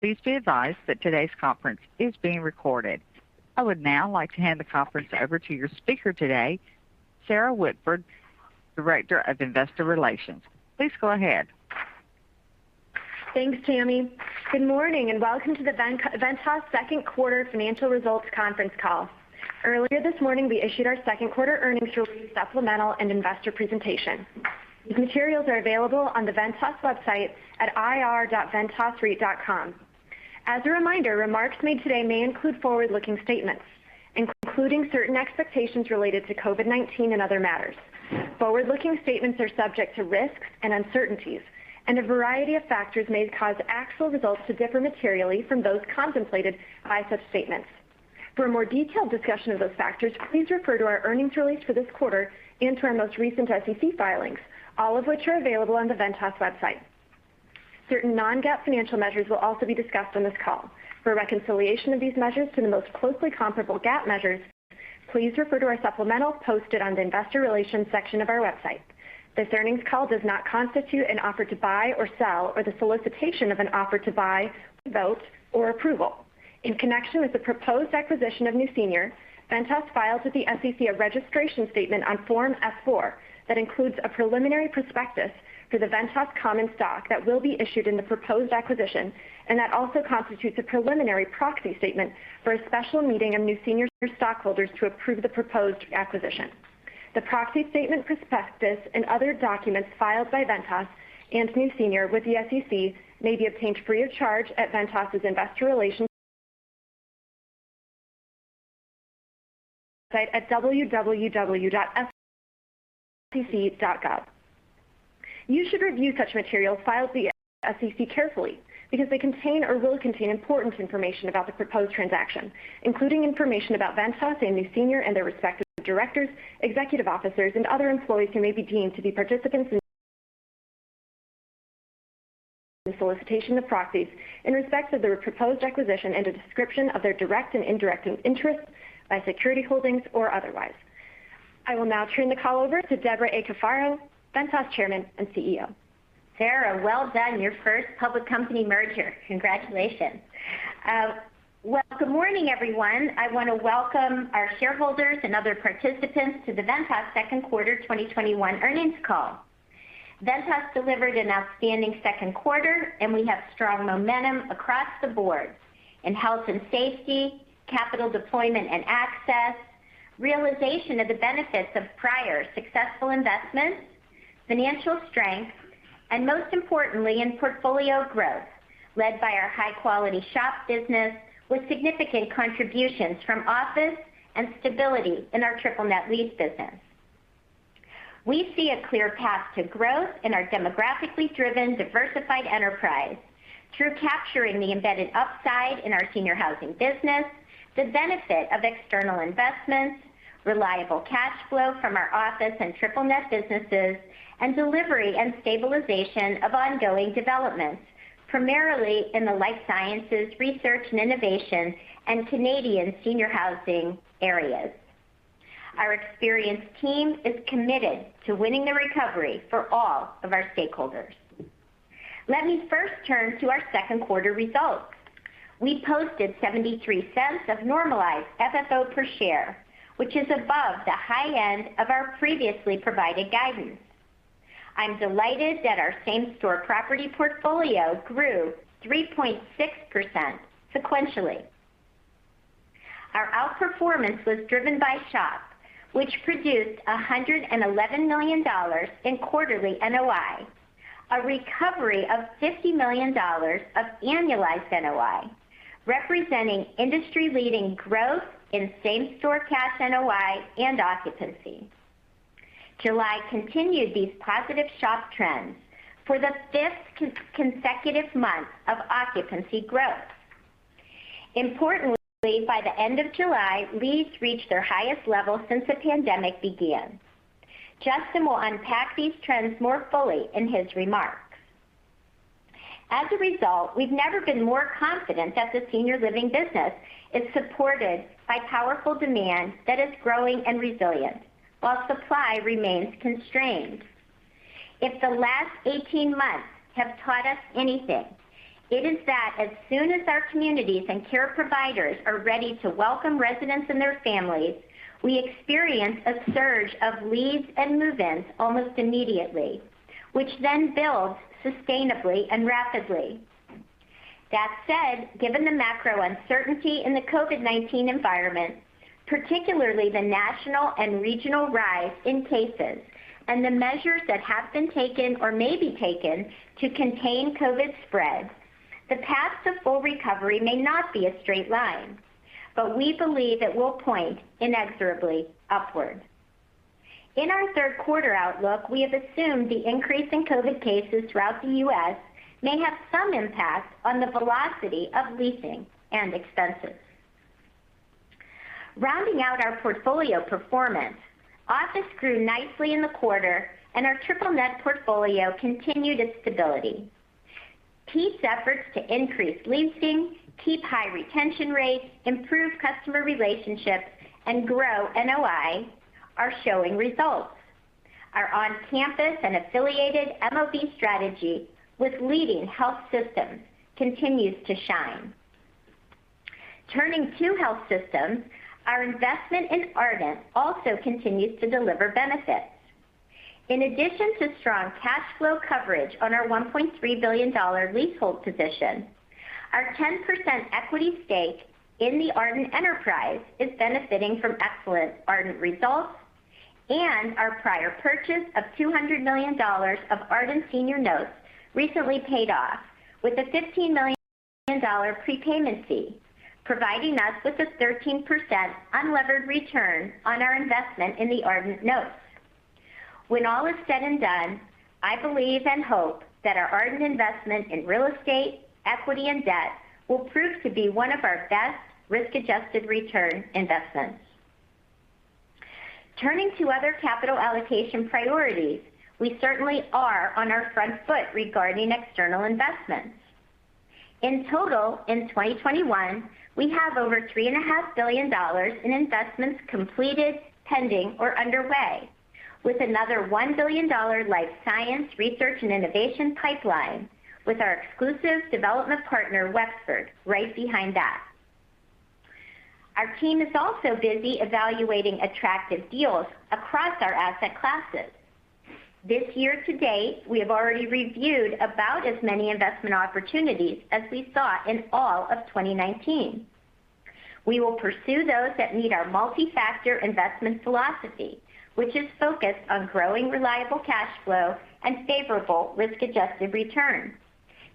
Please be advised that today's conference is being recorded. I would now like to hand the conference over to your speaker today, Sarah Whitford, Director of Investor Relations. Please go ahead. Thanks, Tammy. Good morning and welcome to the Ventas Second Quarter Financial Results Conference Call. Earlier this morning, we issued our second quarter earnings release supplemental and investor presentation. These materials are available on the Ventas website at ir.ventasreit.com. As a reminder, remarks made today may include forward-looking statements, including certain expectations related to COVID-19 and other matters. Forward-looking statements are subject to risks and uncertainties, and a variety of factors may cause actual results to differ materially from those contemplated by such statements. For a more detailed discussion of those factors, please refer to our earnings release for this quarter and to our most recent SEC filings, all of which are available on the Ventas website. Certain non-GAAP financial measures will also be discussed on this call. For a reconciliation of these measures to the most closely comparable GAAP measures, please refer to our supplementals posted on the investor relations section of our website. This earnings call does not constitute an offer to buy or sell or the solicitation of an offer to buy, vote, or approval. In connection with the proposed acquisition of New Senior, Ventas filed with the SEC a registration statement on Form S-4 that includes a preliminary prospectus for the Ventas common stock that will be issued in the proposed acquisition, and that also constitutes a preliminary proxy statement for a special meeting of New Senior shareholders to approve the proposed acquisition. The proxy statement prospectus and other documents filed by Ventas and New Senior with the SEC may be obtained free of charge at Ventas's investor relations site at www.sec.gov. You should review such materials filed with the SEC carefully because they contain or will contain important information about the proposed transaction, including information about Ventas and New Senior and their respective directors, executive officers, and other employees who may be deemed to be participants in the solicitation of proxies in respect of the proposed acquisition and a description of their direct and indirect interest by security holdings or otherwise. I will now turn the call over to Debra A. Cafaro, Ventas Chairman and CEO. Sarah, well done. Your first public company merger. Congratulations. Well, good morning, everyone. I want to welcome our shareholders and other participants to the Ventas Second Quarter 2021 Earnings Call. Ventas delivered an outstanding second quarter. We have strong momentum across the board in health and safety, capital deployment and access, realization of the benefits of prior successful investments, financial strength, and most importantly, in portfolio growth, led by our high-quality SHOP business with significant contributions from office and stability in our triple net lease business. We see a clear path to growth in our demographically driven, diversified enterprise through capturing the embedded upside in our Senior Housing business, the benefit of external investments, reliable cash flow from our office and triple net businesses, and delivery and stabilization of ongoing developments, primarily in the life sciences, research and innovation, and Canadian Senior Housing areas. Our experienced team is committed to winning the recovery for all of our stakeholders. Let me first turn to our second quarter results. We posted $0.73 of normalized FFO per share, which is above the high end of our previously provided guidance. I'm delighted that our same store property portfolio grew 3.6% sequentially. Our outperformance was driven by SHOP, which produced $111 million in quarterly NOI, a recovery of $50 million of annualized NOI, representing industry-leading growth in same store cash NOI and occupancy. July continued these positive SHOP trends for the fifth consecutive month of occupancy growth. Importantly, by the end of July, leads reached their highest level since the pandemic began. Justin will unpack these trends more fully in his remarks. As a result, we've never been more confident that the Senior living business is supported by powerful demand that is growing and resilient while supply remains constrained. If the last 18 months have taught us anything, it is that as soon as our communities and care providers are ready to welcome residents and their families, we experience a surge of leads and move-ins almost immediately, which then builds sustainably and rapidly. That said, given the macro uncertainty in the COVID-19 environment, particularly the national and regional rise in cases and the measures that have been taken or may be taken to contain COVID spread, the path to full recovery may not be a straight line, but we believe it will point inexorably upward. In our third quarter outlook, we have assumed the increase in COVID cases throughout the U.S. may have some impact on the velocity of leasing and expenses. Rounding out our portfolio performance, office grew nicely in the quarter, and our triple net portfolio continued its stability. Pete's efforts to increase leasing, keep high retention rates, improve customer relationships, and grow NOI are showing results. Our on-campus and affiliated MOB strategy with leading health systems continues to shine. Turning to health systems, our investment in Ardent also continues to deliver benefits. In addition to strong cash flow coverage on our $1.3 billion leasehold position, our 10% equity stake in the Ardent enterprise is benefiting from excellent Ardent results, and our prior purchase of $200 million of Ardent Senior notes recently paid off with a $15 million prepayment fee, providing us with a 13% unlevered return on our investment in the Ardent notes. When all is said and done, I believe and hope that our Ardent investment in real estate, equity, and debt will prove to be one of our best risk-adjusted return investments. Turning to other capital allocation priorities, we certainly are on our front foot regarding external investments. In total, in 2021, we have over $3.5 billion in investments completed, pending, or underway, with another $1 billion life science research and innovation pipeline, with our exclusive development partner, Wexford, right behind that. Our team is also busy evaluating attractive deals across our asset classes. This year to date, we have already reviewed about as many investment opportunities as we saw in all of 2019. We will pursue those that meet our multi-factor investment philosophy, which is focused on growing reliable cash flow and favorable risk-adjusted returns,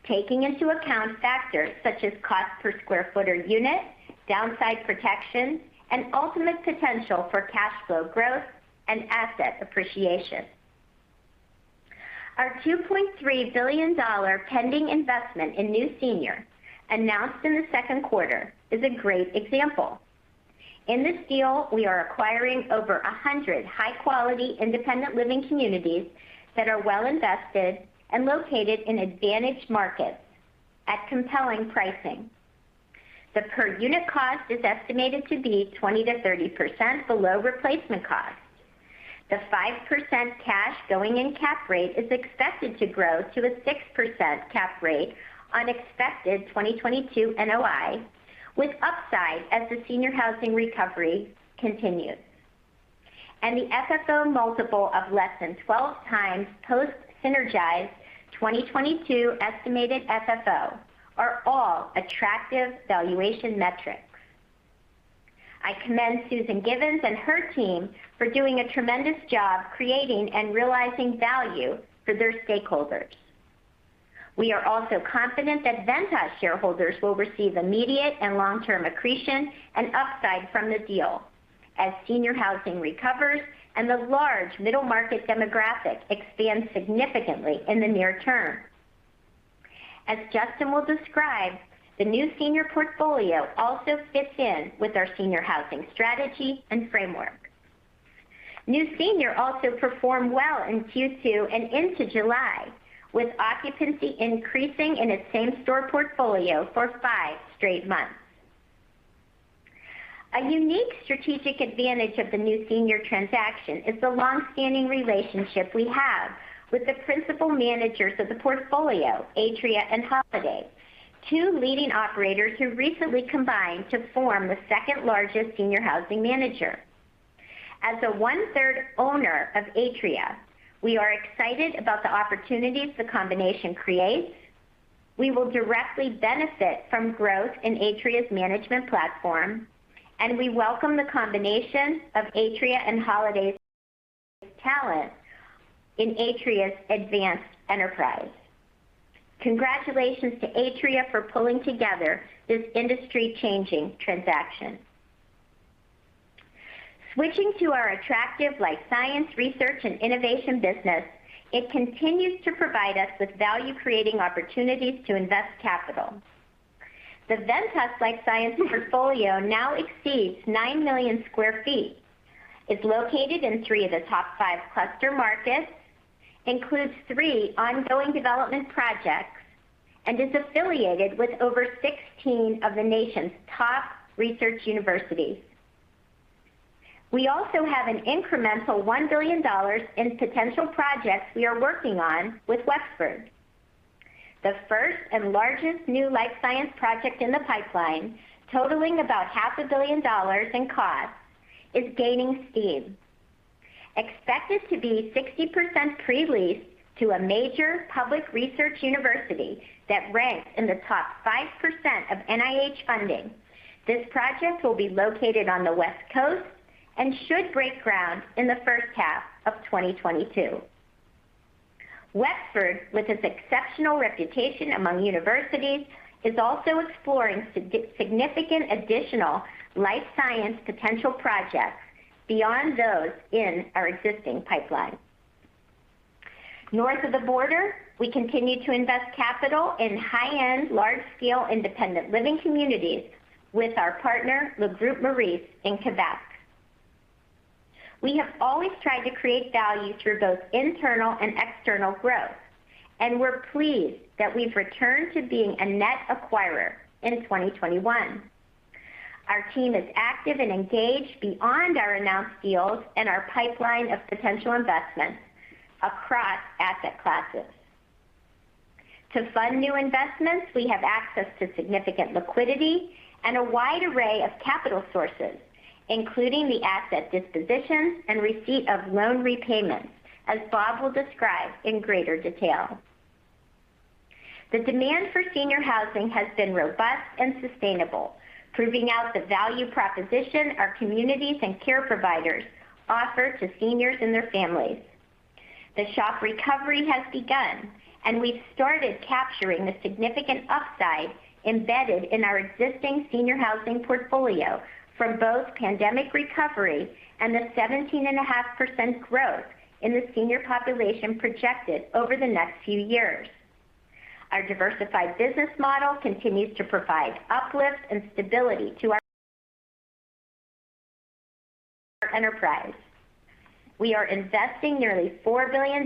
taking into account factors such as cost per square foot or unit, downside protection, and ultimate potential for cash flow growth and asset appreciation. Our $2.3 billion pending investment in New Senior, announced in the second quarter, is a great example. In this deal, we are acquiring over 100 high-quality independent living communities that are well invested and located in advantaged markets at compelling pricing. The per unit cost is estimated to be 20%-30% below replacement cost. The 5% cash going-in cap rate is expected to grow to a 6% cap rate on expected 2022 NOI, with upside as the Senior Housing recovery continues. The FFO multiple of less than 12x post-synergized 2022 estimated FFO are all attractive valuation metrics. I commend Susan Givens and her team for doing a tremendous job creating and realizing value for their stakeholders. We are also confident that Ventas shareholders will receive immediate and long-term accretion and upside from the deal as Senior Housing recovers and the large middle market demographic expands significantly in the near term. As Justin will describe, the New Senior portfolio also fits in with our Senior Housing strategy and framework. New Senior also performed well in Q2 and into July, with occupancy increasing in its same-store portfolio for 5 straight months. A unique strategic advantage of the New Senior transaction is the long-standing relationship we have with the principal managers of the portfolio, Atria and Holiday, two leading operators who recently combined to form the second-largest Senior Housing manager. As a one-third owner of Atria, we are excited about the opportunities the combination creates. We will directly benefit from growth in Atria's management platform. We welcome the combination of Atria and Holiday's talent in Atria's advanced enterprise. Congratulations to Atria for pulling together this industry-changing transaction. Switching to our attractive life science research and innovation business, it continues to provide us with value-creating opportunities to invest capital. The Ventas life science portfolio now exceeds 9 million sq ft, is located in 3 of the top 5 cluster markets, includes three ongoing development projects, and is affiliated with over 16 of the nation's top research universities. We also have an incremental $1 billion in potential projects we are working on with Wexford. The first and largest new life science project in the pipeline, totaling about $0.5 billions In cost, is gaining steam. Expected to be 60% pre-leased to a major public research university that ranks in the top 5% of NIH funding, this project will be located on the West Coast and should break ground in the first half of 2022. Wexford, with its exceptional reputation among universities, is also exploring significant additional life science potential projects beyond those in our existing pipeline. North of the border, we continue to invest capital in high-end, large-scale independent living communities with our partner, Le Groupe Maurice, in Quebec. We have always tried to create value through both internal and external growth, and we're pleased that we've returned to being a net acquirer in 2021. Our team is active and engaged beyond our announced deals and our pipeline of potential investments across asset classes. To fund new investments, we have access to significant liquidity and a wide array of capital sources, including the asset dispositions and receipt of loan repayments, as Rob will describe in greater detail. The demand for Senior Housing has been robust and sustainable, proving out the value proposition our communities, and care providers offer to Seniors and their families. The SHOP recovery has begun, and we've started capturing the significant upside embedded in our existing Senior Housing portfolio from both pandemic recovery and the 17.5% growth in the Senior population projected over the next few years. Our diversified business model continues to provide uplift and stability to our enterprise. We are investing nearly $4 billion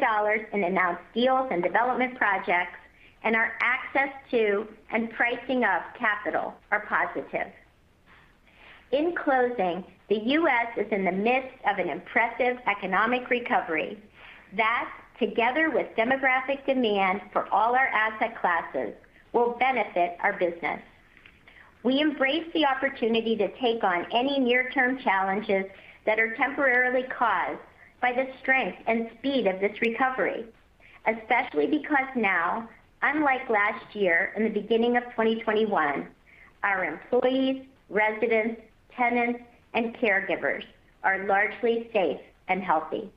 in announced deals and development projects, and our access to and pricing of capital are positive. In closing, the U.S. is in the midst of an impressive economic recovery that, together with demographic demand for all our asset classes, will benefit our business. We embrace the opportunity to take on any near-term challenges that are temporarily caused by the strength and speed of this recovery, especially because now, unlike last year and the beginning of 2021, our employees, residents, tenants, and caregivers are largely safe and healthy.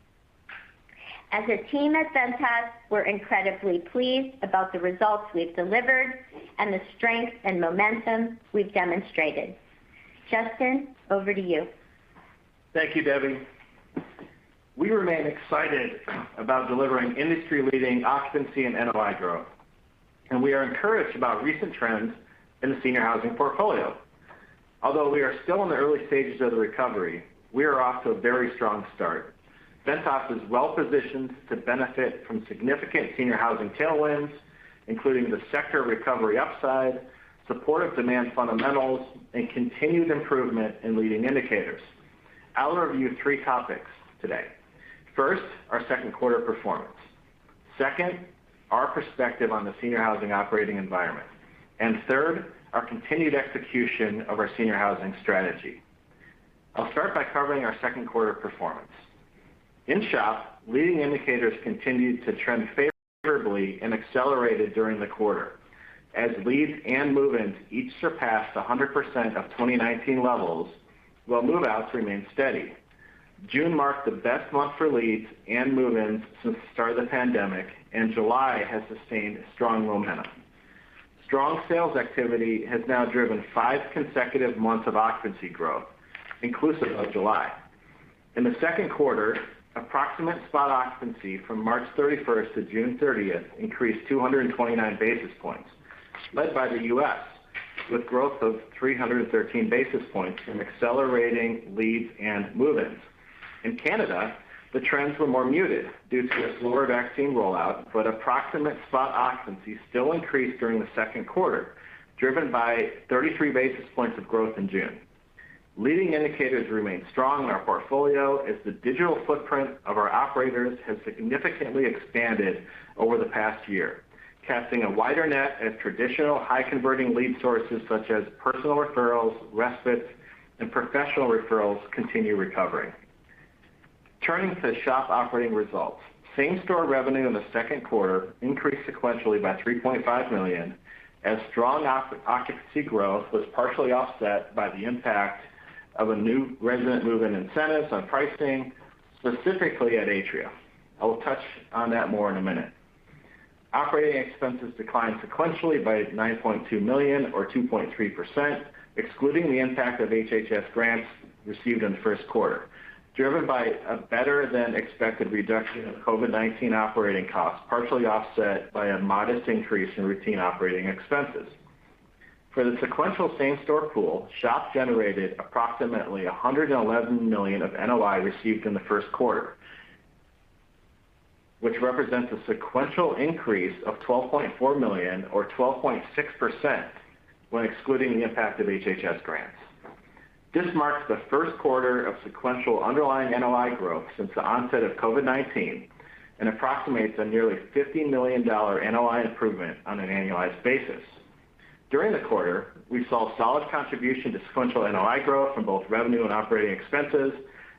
As a team at Ventas, we're incredibly pleased about the results we've delivered and the strength and momentum we've demonstrated. Justin, over to you. Thank you, Debbie. We remain excited about delivering industry-leading occupancy and NOI growth, and we are encouraged about recent trends in the Senior Housing portfolio. Although we are still in the early stages of the recovery, we are off to a very strong start. Ventas is well positioned to benefit from significant Senior Housing tailwinds, including the sector recovery upside, supportive demand fundamentals, and continued improvement in leading indicators. I'll review three topics today. First, our second quarter performance. Second, our perspective on the Senior Housing operating environment. Third, our continued execution of our Senior Housing strategy. I'll start by covering our second quarter performance. In SHOP, leading indicators continued to trend favorably and accelerated during the quarter, as leads and move-ins each surpassed 100% of 2019 levels, while move-outs remained steady. June marked the best month for leads and move-ins since the start of the pandemic. July has sustained strong momentum. Strong sales activity has now driven 5 consecutive months of occupancy growth, inclusive of July. In the second quarter, approximate spot occupancy from March 31st to June 30th increased 229 basis points, led by the U.S., with growth of 313 basis points from accelerating leads and move-ins. In Canada, the trends were more muted due to a slower vaccine rollout. Approximate spot occupancy still increased during the second quarter, driven by 33 basis points of growth in June. Leading indicators remain strong in our portfolio as the digital footprint of our operators has significantly expanded over the past year, casting a wider net as traditional high-converting lead sources such as personal referrals, respite, and professional referrals continue recovering. Turning to SHOP operating results. Same-store revenue in the second quarter increased sequentially by $3.5 million, as strong occupancy growth was partially offset by the impact of new resident move-in incentives on pricing, specifically at Atria. I will touch on that more in a minute. Operating expenses declined sequentially by $9.2 million or 2.3%, excluding the impact of HHS grants received in the first quarter, driven by a better-than-expected reduction of COVID-19 operating costs, partially offset by a modest increase in routine operating expenses. For the sequential same-store pool, SHOP generated approximately $111 million of NOI received in the first quarter, which represents a sequential increase of $12.4 million or 12.6% when excluding the impact of HHS grants. This marks the first quarter of sequential underlying NOI growth since the onset of COVID-19 and approximates a nearly $50 million NOI improvement on an annualized basis. During the quarter, we saw solid contribution to sequential NOI growth from both revenue and operating expenses,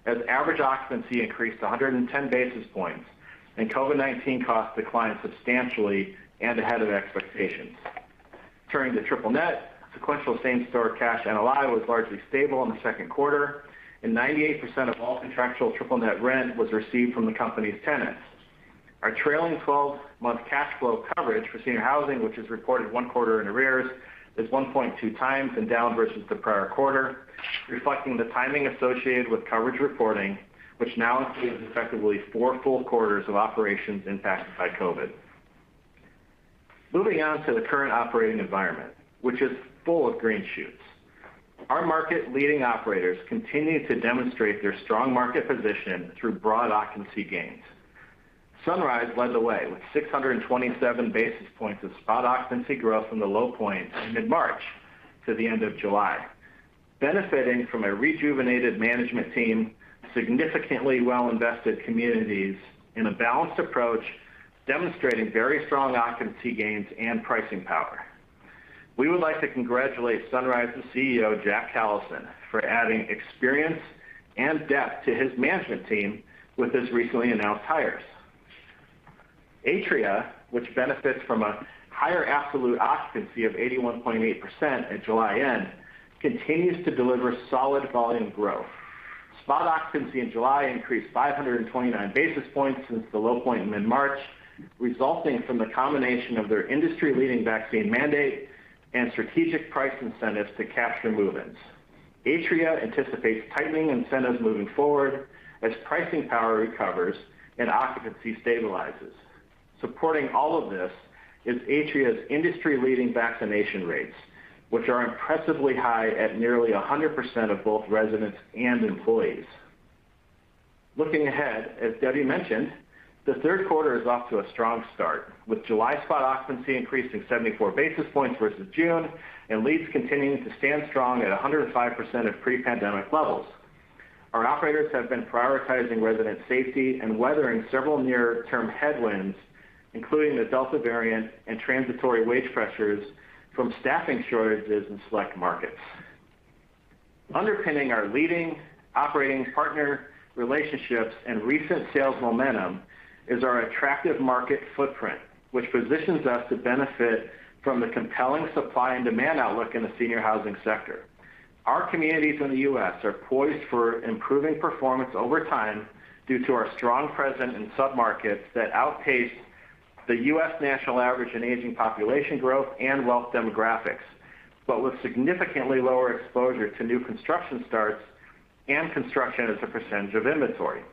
as average occupancy increased 110 basis points and COVID-19 costs declined substantially and ahead of expectations. Turning to triple net, sequential same-store cash NOI was largely stable in the second quarter. 98% of all contractual triple net rent was received from the company's tenants. Our trailing 12-month cash flow coverage for Senior Housing, which is reported one quarter in arrears, is 1.2x and down versus the prior quarter, reflecting the timing associated with coverage reporting, which now includes effectively four full quarters of operations impacted by COVID. Moving on to the current operating environment, which is full of green shoots. Our market-leading operators continue to demonstrate their strong market position through broad occupancy gains. Sunrise led the way with 627 basis points of spot occupancy growth from the low point in mid-March to the end of July, benefiting from a rejuvenated management team, significantly well-invested communities, and a balanced approach demonstrating very strong occupancy gains and pricing power. We would like to congratulate Sunrise CEO Jack Callison for adding experience and depth to his management team with his recently announced hires. Atria, which benefits from a higher absolute occupancy of 81.8% at July end, continues to deliver solid volume growth. Spot occupancy in July increased 529 basis points since the low point in mid-March, resulting from the combination of one of their industry-leading vaccine mandate and strategic price incentives to capture movements. Atria anticipates tightening incentives moving forward as pricing power recovers and occupancy stabilizes. Supporting all of this is Atria's industry-leading vaccination rates, which are impressively high at nearly 100% of both residents and employees. Looking ahead, as Debbie mentioned, the third quarter is off to a strong start, with July spot occupancy increasing 74 basis points versus June, and leads continuing to stand strong at 105% of pre-pandemic levels. Our operators have been prioritizing resident safety and weathering several near-term headwinds, including the Delta variant and transitory wage pressures from staffing shortages in select markets. Underpinning our leading operating partner relationships and recent sales momentum is our attractive market footprint, which positions us to benefit from the compelling supply and demand outlook in the Senior Housing sector. Our communities in the U.S. are poised for improving performance over time due to our strong presence in submarkets that outpace the U.S. national average in aging population growth and wealth demographics, but with significantly lower exposure to new construction starts and construction as a percentage of inventory.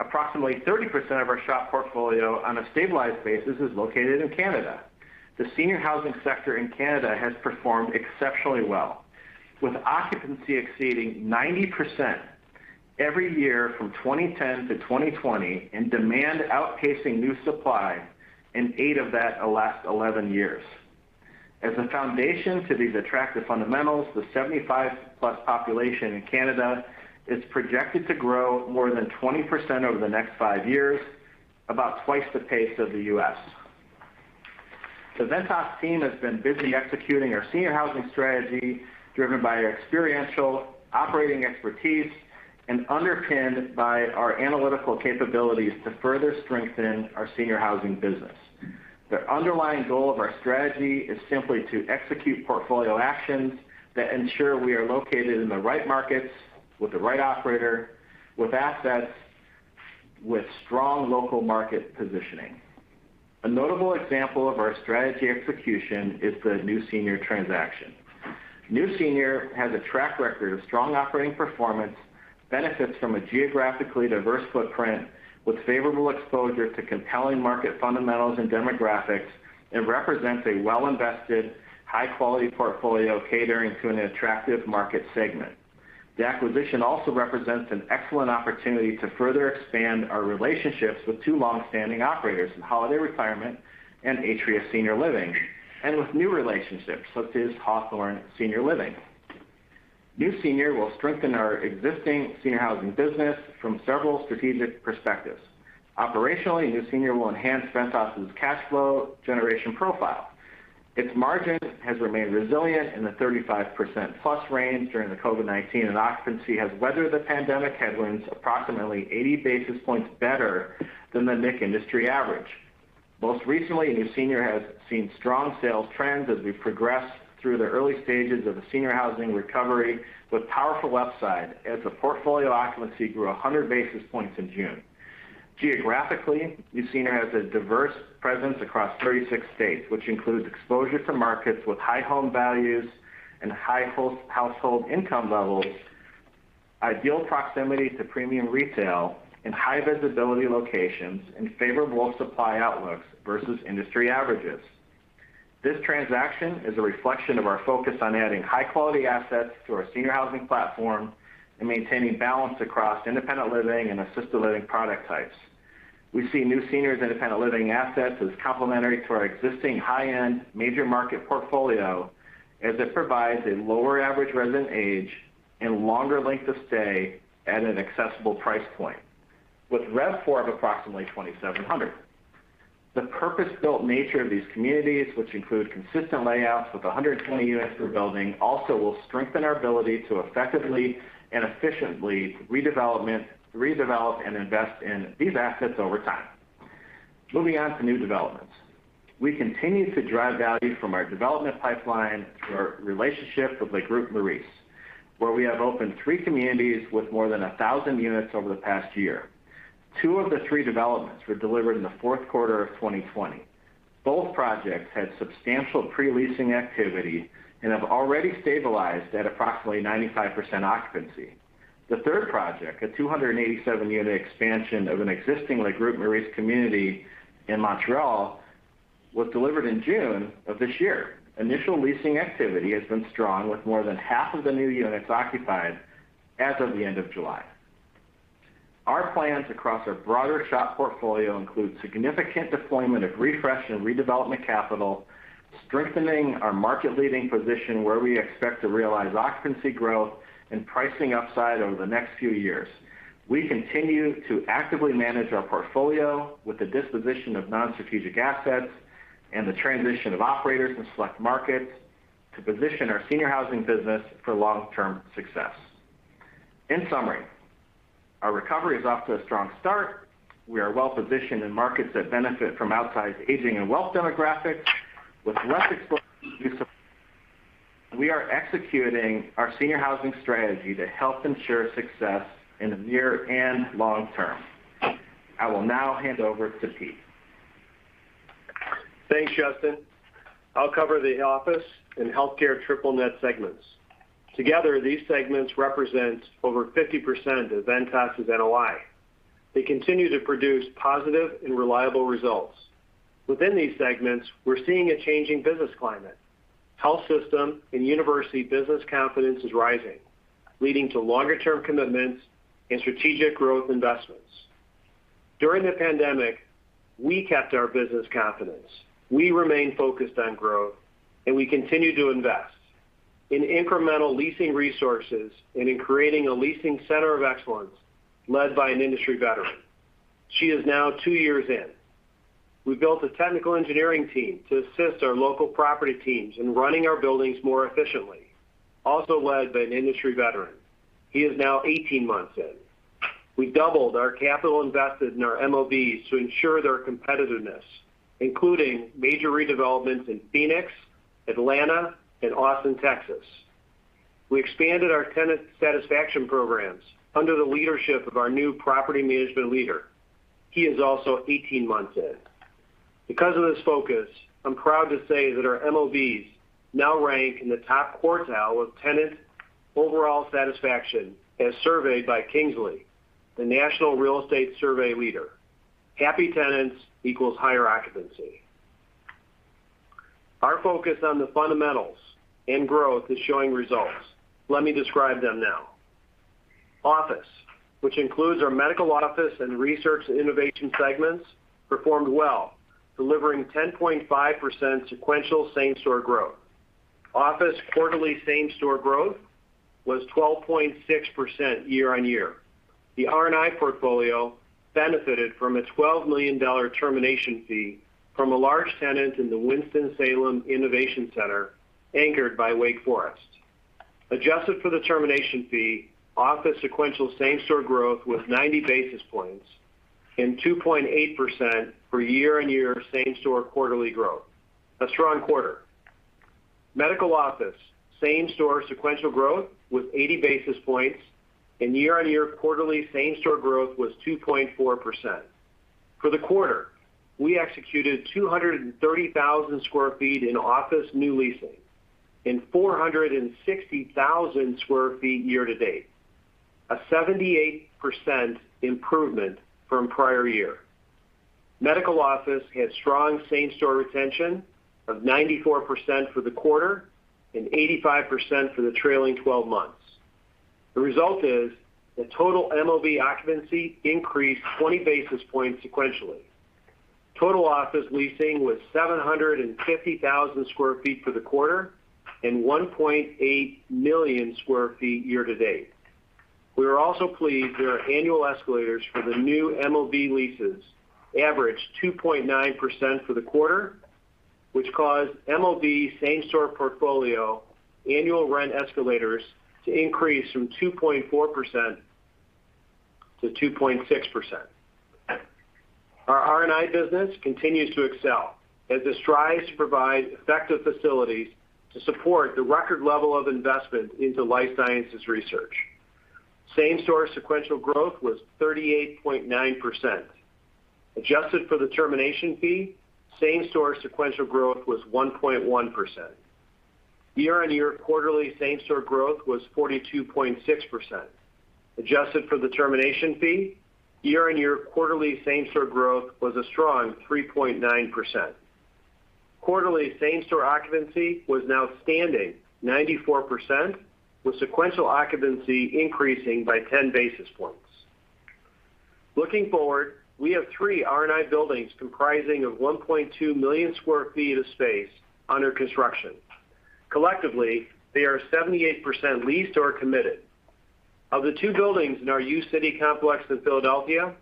Approximately 30% of our SHOP portfolio on a stabilized basis is located in Canada. The Senior Housing sector in Canada has performed exceptionally well, with occupancy exceeding 90% every year from 2010 to 2020, and demand outpacing new supply in 8 of that last 11 years. As a foundation to these attractive fundamentals, the 75+ population in Canada is projected to grow more than 20% over the next 5 years, about twice the pace of the U.S. The Ventas team has been busy executing our Senior Housing strategy, driven by our experiential operating expertise and underpinned by our analytical capabilities to further strengthen our Senior Housing business. The underlying goal of our strategy is simply to execute portfolio actions that ensure we are located in the right markets with the right operator, with assets with strong local market positioning. A notable example of our strategy execution is the New Senior transaction. New Senior has a track record of strong operating performance, benefits from a geographically diverse footprint with favorable exposure to compelling market fundamentals and demographics, and represents a well-invested, high-quality portfolio catering to an attractive market segment. The acquisition also represents an excellent opportunity to further expand our relationships with two longstanding operators, Holiday Retirement and Atria Senior Living, and with new relationships, such as Hawthorn Senior Living. New Senior will strengthen our existing Senior Housing business from several strategic perspectives. Operationally, New Senior will enhance Ventas' cash flow generation profile. Its margin has remained resilient in the 35%+ range during the COVID-19, and occupancy has weathered the pandemic headwinds approximately 80 basis points better than the NIC industry average. Most recently, New Senior has seen strong sales trends as we progress through the early stages of the Senior Housing recovery with powerful upside as the portfolio occupancy grew 100 basis points in June. Geographically, New Senior has a diverse presence across 36 states, which includes exposure to markets with high home values and high household income levels, ideal proximity to premium retail, and high visibility locations, and favorable supply outlooks versus industry averages. This transaction is a reflection of our focus on adding high-quality assets to our Senior Housing platform and maintaining balance across independent living and assisted living product types. We see New Senior's independent living assets as complementary to our existing high-end major market portfolio, as it provides a lower average resident age and longer length of stay at an accessible price point with RevPAR of approximately $2,700. The purpose-built nature of these communities, which include consistent layouts with 120 units per building, also will strengthen our ability to effectively and efficiently redevelop and invest in these assets over time. Moving on to new developments. We continue to drive value from our development pipeline through our relationship with Le Groupe Maurice, where we have opened three communities with more than 1,000 units over the past year. 2 of the 3 developments were delivered in the fourth quarter of 2020. Both projects had substantial pre-leasing activity and have already stabilized at approximately 95% occupancy. The third project, a 287-unit expansion of an existing Le Groupe Maurice community in Montreal was delivered in June of this year. Initial leasing activity has been strong, with more than half of the new units occupied as of the end of July. Our plans across our broader SHOP portfolio include significant deployment of refresh and redevelopment capital, strengthening our market-leading position where we expect to realize occupancy growth and pricing upside over the next few years. We continue to actively manage our portfolio with the disposition of non-strategic assets and the transition of operators in select markets to position our Senior Housing business for long-term success. In summary, our recovery is off to a strong start. We are well-positioned in markets that benefit from outsized aging and wealth demographics with less exposure. We are executing our Senior Housing strategy to help ensure success in the near and long term. I will now hand over to Pete. Thanks, Justin. I'll cover the Office and Healthcare triple net segments. Together, these segments represent over 50% of Ventas' NOI. They continue to produce positive and reliable results. Within these segments, we're seeing a changing business climate. Health system and university business confidence is rising, leading to longer-term commitments and strategic growth investments. During the pandemic, we kept our business confidence. We remained focused on growth, and we continued to invest in incremental leasing resources and in creating a leasing center of excellence led by an industry veteran. She is now 2 years in. We built a technical engineering team to assist our local property teams in running our buildings more efficiently, also led by an industry veteran. He is now 18 months in. We doubled our capital invested in our MOBs to ensure their competitiveness, including major redevelopments in Phoenix, Atlanta, and Austin, Texas. We expanded our tenant satisfaction programs under the leadership of our new property management leader. He is also 18 months in. Because of this focus, I'm proud to say that our MOBs now rank in the top quartile of tenant overall satisfaction as surveyed by Kingsley, the national real estate survey leader. Happy tenants equals higher occupancy. Our focus on the fundamentals and growth is showing results. Let me describe them now. Office, which includes our Medical Office and Research and Innovation segments, performed well, delivering 10.5% sequential same-store growth. Office quarterly same-store growth was 12.6% year-on-year. The R&I portfolio benefited from a $12 million termination fee from a large tenant in the Winston-Salem Innovation Centre, anchored by Wake Forest. Adjusted for the termination fee, office sequential same-store growth was 90 basis points and 2.8% for year-on-year same-store quarterly growth. A strong quarter. Medical Office same-store sequential growth was 80 basis points, and year-on-year quarterly same-store growth was 2.4%. For the quarter, we executed 230,000 sq ft in office new leasing and 460,000 sq ft year to date, a 78% improvement from prior year. Medical Office had strong same-store retention of 94% for the quarter and 85% for the trailing 12 months. The result is that total MOB occupancy increased 20 basis points sequentially. Total office leasing was 750,000 sq ft for the quarter and 1.8 million sq ft year to date. We are also pleased that our annual escalators for the new MOB leases averaged 2.9% for the quarter, which caused MOB same-store portfolio annual rent escalators to increase from 2.4% to 2.6%. Our R&I business continues to excel as it strives to provide effective facilities to support the record level of investment into life sciences research. Same-store sequential growth was 38.9%. Adjusted for the termination fee, same-store sequential growth was 1.1%. Year-on-year quarterly same-store growth was 42.6%. Adjusted for the termination fee, year-on-year quarterly same-store growth was a strong 3.9%. Quarterly same-store occupancy was outstanding, 94%, with sequential occupancy increasing by 10 basis points. Looking forward, we have three R&I buildings comprising of 1.2 million sq ft of space under construction. Collectively, they are 78% leased or committed. Of the two buildings in our uCity complex in Philadelphia,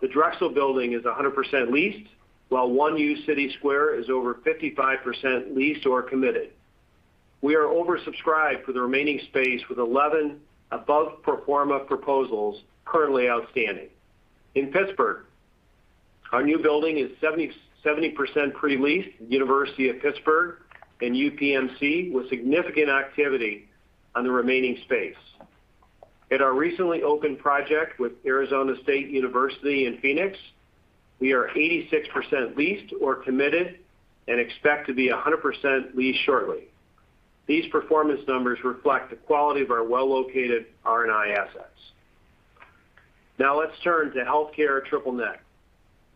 the Drexel building is 100% leased, while One uCity Square is over 55% leased or committed. We are oversubscribed for the remaining space with 11 above pro forma proposals currently outstanding. In Pittsburgh, our new building is 70% pre-leased, University of Pittsburgh and UPMC, with significant activity on the remaining space. At our recently opened project with Arizona State University in Phoenix, we are 86% leased or committed and expect to be 100% leased shortly. These performance numbers reflect the quality of our well-located R&I assets. Let's turn to healthcare triple net.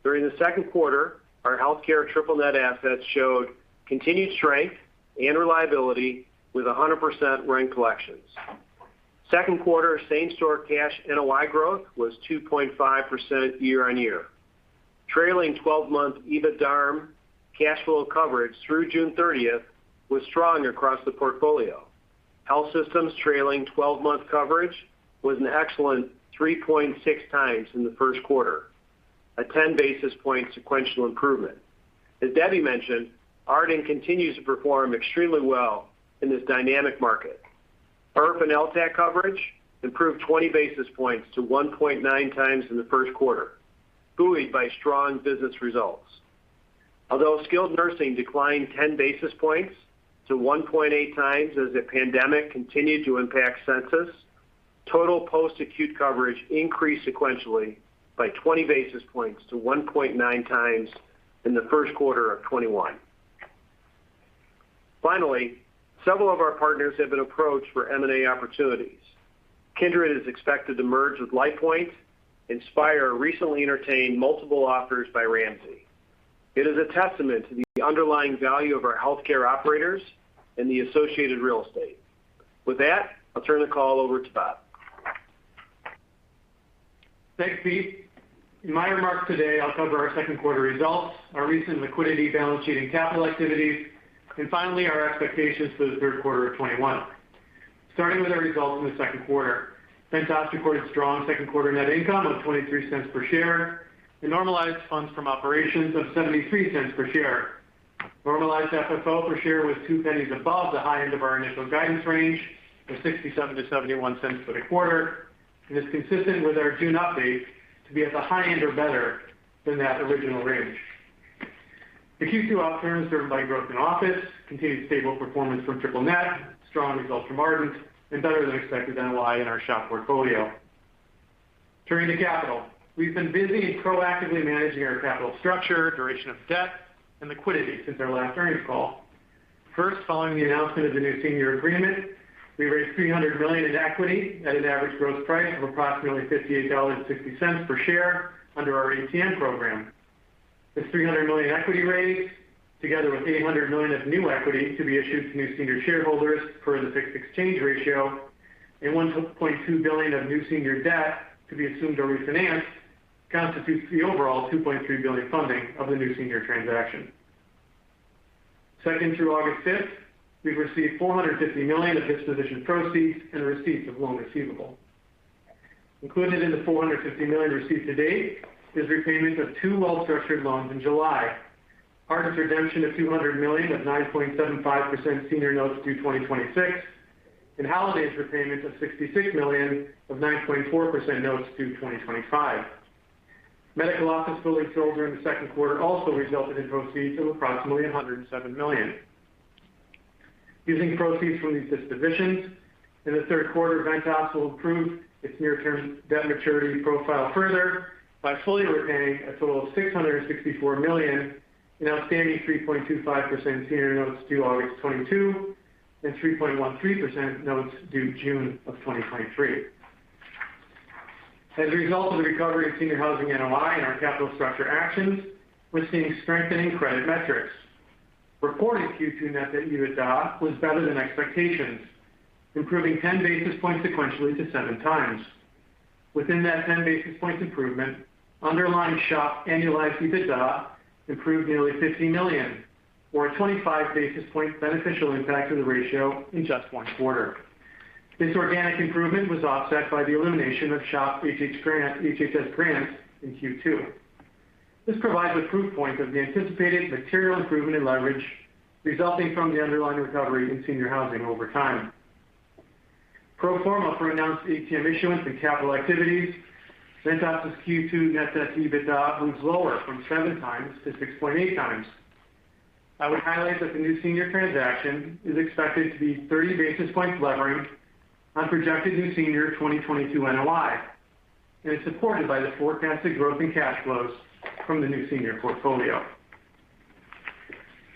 During the second quarter, our healthcare triple net assets showed continued strength and reliability with 100% rent collections. Second quarter same-store cash NOI growth was 2.5% year-on-year. Trailing 12-month EBITDARM cash flow coverage through June 30th was strong across the portfolio. Health systems trailing 12-month coverage was an excellent 3.6x in the first quarter, a 10-basis point sequential improvement. As Debbie mentioned, Ardent continues to perform extremely well in this dynamic market. IRF and LTAC coverage improved 20 basis points to 1.9 times in the first quarter, buoyed by strong business results. Although skilled nursing declined 10 basis points to 1.8x as the pandemic continued to impact census, total post-acute coverage increased sequentially by 20 basis points to 1.9x in the first quarter of 2021. Finally, several of our partners have been approached for M&A opportunities. Kindred is expected to merge with LifePoint. Inspire recently entertained multiple offers by Ramsay. It is a testament to the underlying value of our healthcare operators and the associated real estate. With that, I'll turn the call over to Rob. Thanks, Pete. In my remarks today, I'll cover our second quarter results, our recent liquidity balance sheet and capital activities, and finally, our expectations for the third quarter of 2021. Starting with our results in the second quarter. Ventas recorded strong second quarter net income of $0.23 per share and normalized funds from operations of $0.73 per share. Normalized FFO per share was $0.02 above the high end of our initial guidance range of $0.67-$0.71 for the quarter and is consistent with our June update to be at the high end or better than that original range. The Q2 outturn served by growth in office continued stable performance from triple net, strong results from Ardent, and better-than-expected NOI in our SHOP portfolio. Turning to capital. We've been busy and proactively managing our capital structure, duration of debt, and liquidity since our last earnings call. First, following the announcement of the New Senior agreement, we raised $300 million in equity at an average gross price of approximately $58.60 per share under our ATM program. This $300 million equity raise, together with $800 million of new equity to be issued to New Senior shareholders per the fixed exchange ratio, and $1.2 billion of New Senior debt to be assumed or refinanced, constitutes the overall $2.3 billion funding of the New Senior transaction. Second, through August 5th, we've received $450 million of disposition proceeds and receipts of loan receivable. Included in the $450 million received to date is repayments of two well-structured loans in July. Ardent's redemption of $200 million of 9.75% Senior notes due 2026 and Holiday's repayments of $66 million of 9.4% notes due 2025. Medical Office building sold during the second quarter also resulted in proceeds of approximately $107 million. Using proceeds from these dispositions in the third quarter, Ventas will improve its near-term debt maturity profile further by fully repaying a total of $664 million in outstanding 3.25% Senior notes due August 2022 and 3.13% notes due June 2023. As a result of the recovery of Senior Housing NOI and our capital structure actions, we're seeing strengthening credit metrics. Reported Q2 net debt EBITDA was better than expectations, improving 10 basis points sequentially to 7x. Within that 10-basis points improvement, underlying SHOP annualized EBITDA improved nearly $50 million, or a 25-basis point beneficial impact to the ratio in just one quarter. This organic improvement was offset by the elimination of SHOP HHS grants in Q2. This provides a proof point of the anticipated material improvement in leverage resulting from the underlying recovery in Senior Housing over time. Pro forma for announced ATM issuance and capital activities, Ventas' Q2 net debt EBITDA moves lower from 7x to 6.8x. I would highlight that the New Senior transaction is expected to be 30 basis points levering on projected New Senior 2022 NOI and is supported by the forecasted growth in cash flows from the New Senior portfolio.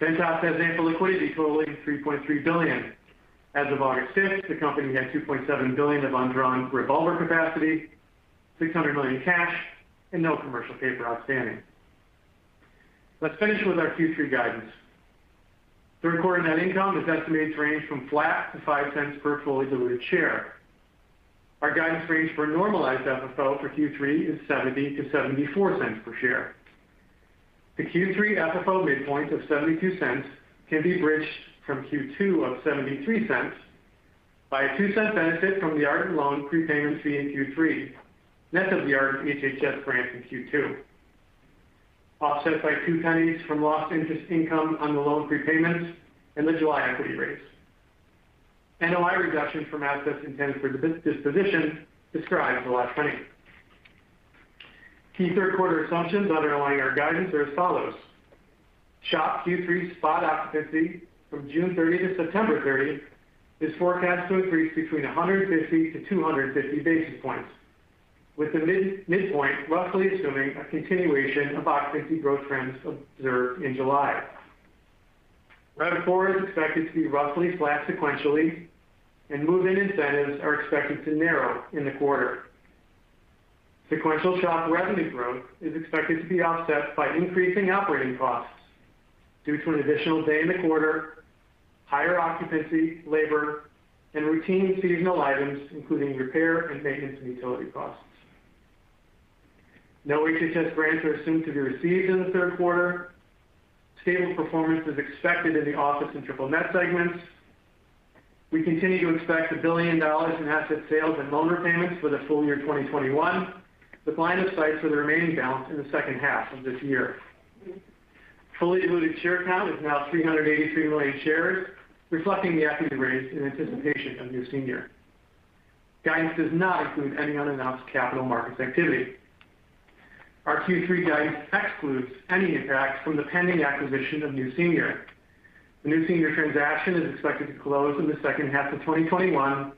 Ventas has ample liquidity totaling $3.3 billion. As of August 5th, the company had $2.7 billion of undrawn revolver capacity, $600 million in cash, and no commercial paper outstanding. Let's finish with our Q3 guidance. Third quarter net income is estimated to range from flat to $0.05 per fully diluted share. Our guidance range for normalized FFO for Q3 is $0.70 to $0.74 per share. The Q3 FFO midpoint of $0.72 can be bridged from Q2 of $0.73 by a $0.02 benefit from the Ardent loan prepayment fee in Q3, net of the Ardent HHS grant in Q2, offset by $0.02 from lost interest income on the loan prepayments and the July equity raise. NOI reduction from assets intended for disposition described the last earnings. Key third quarter assumptions underlying our guidance are as follows. SHOP Q3 spot occupancy from June 30 to September 30 is forecast to increase between 150 basis points-250 basis points, with the midpoint roughly assuming a continuation of occupancy growth trends observed in July. RevPAR is expected to be roughly flat sequentially, and move-in incentives are expected to narrow in the quarter. Sequential SHOP revenue growth is expected to be offset by increasing operating costs due to an additional day in the quarter, higher occupancy, labor, and routine seasonal items, including repair and maintenance and utility costs. No HHS grants are assumed to be received in the third quarter. Stable performance is expected in the office and triple net segments. We continue to expect $1 billion in asset sales and loan repayments for the full year 2021, with line of sight for the remaining balance in the second half of this year. Fully diluted share count is now 383 million shares, reflecting the equity raise in anticipation of New Senior. Guidance does not include any unannounced capital markets activity. Our Q3 guidance excludes any impact from the pending acquisition of New Senior. The New Senior transaction is expected to close in the second half of 2021,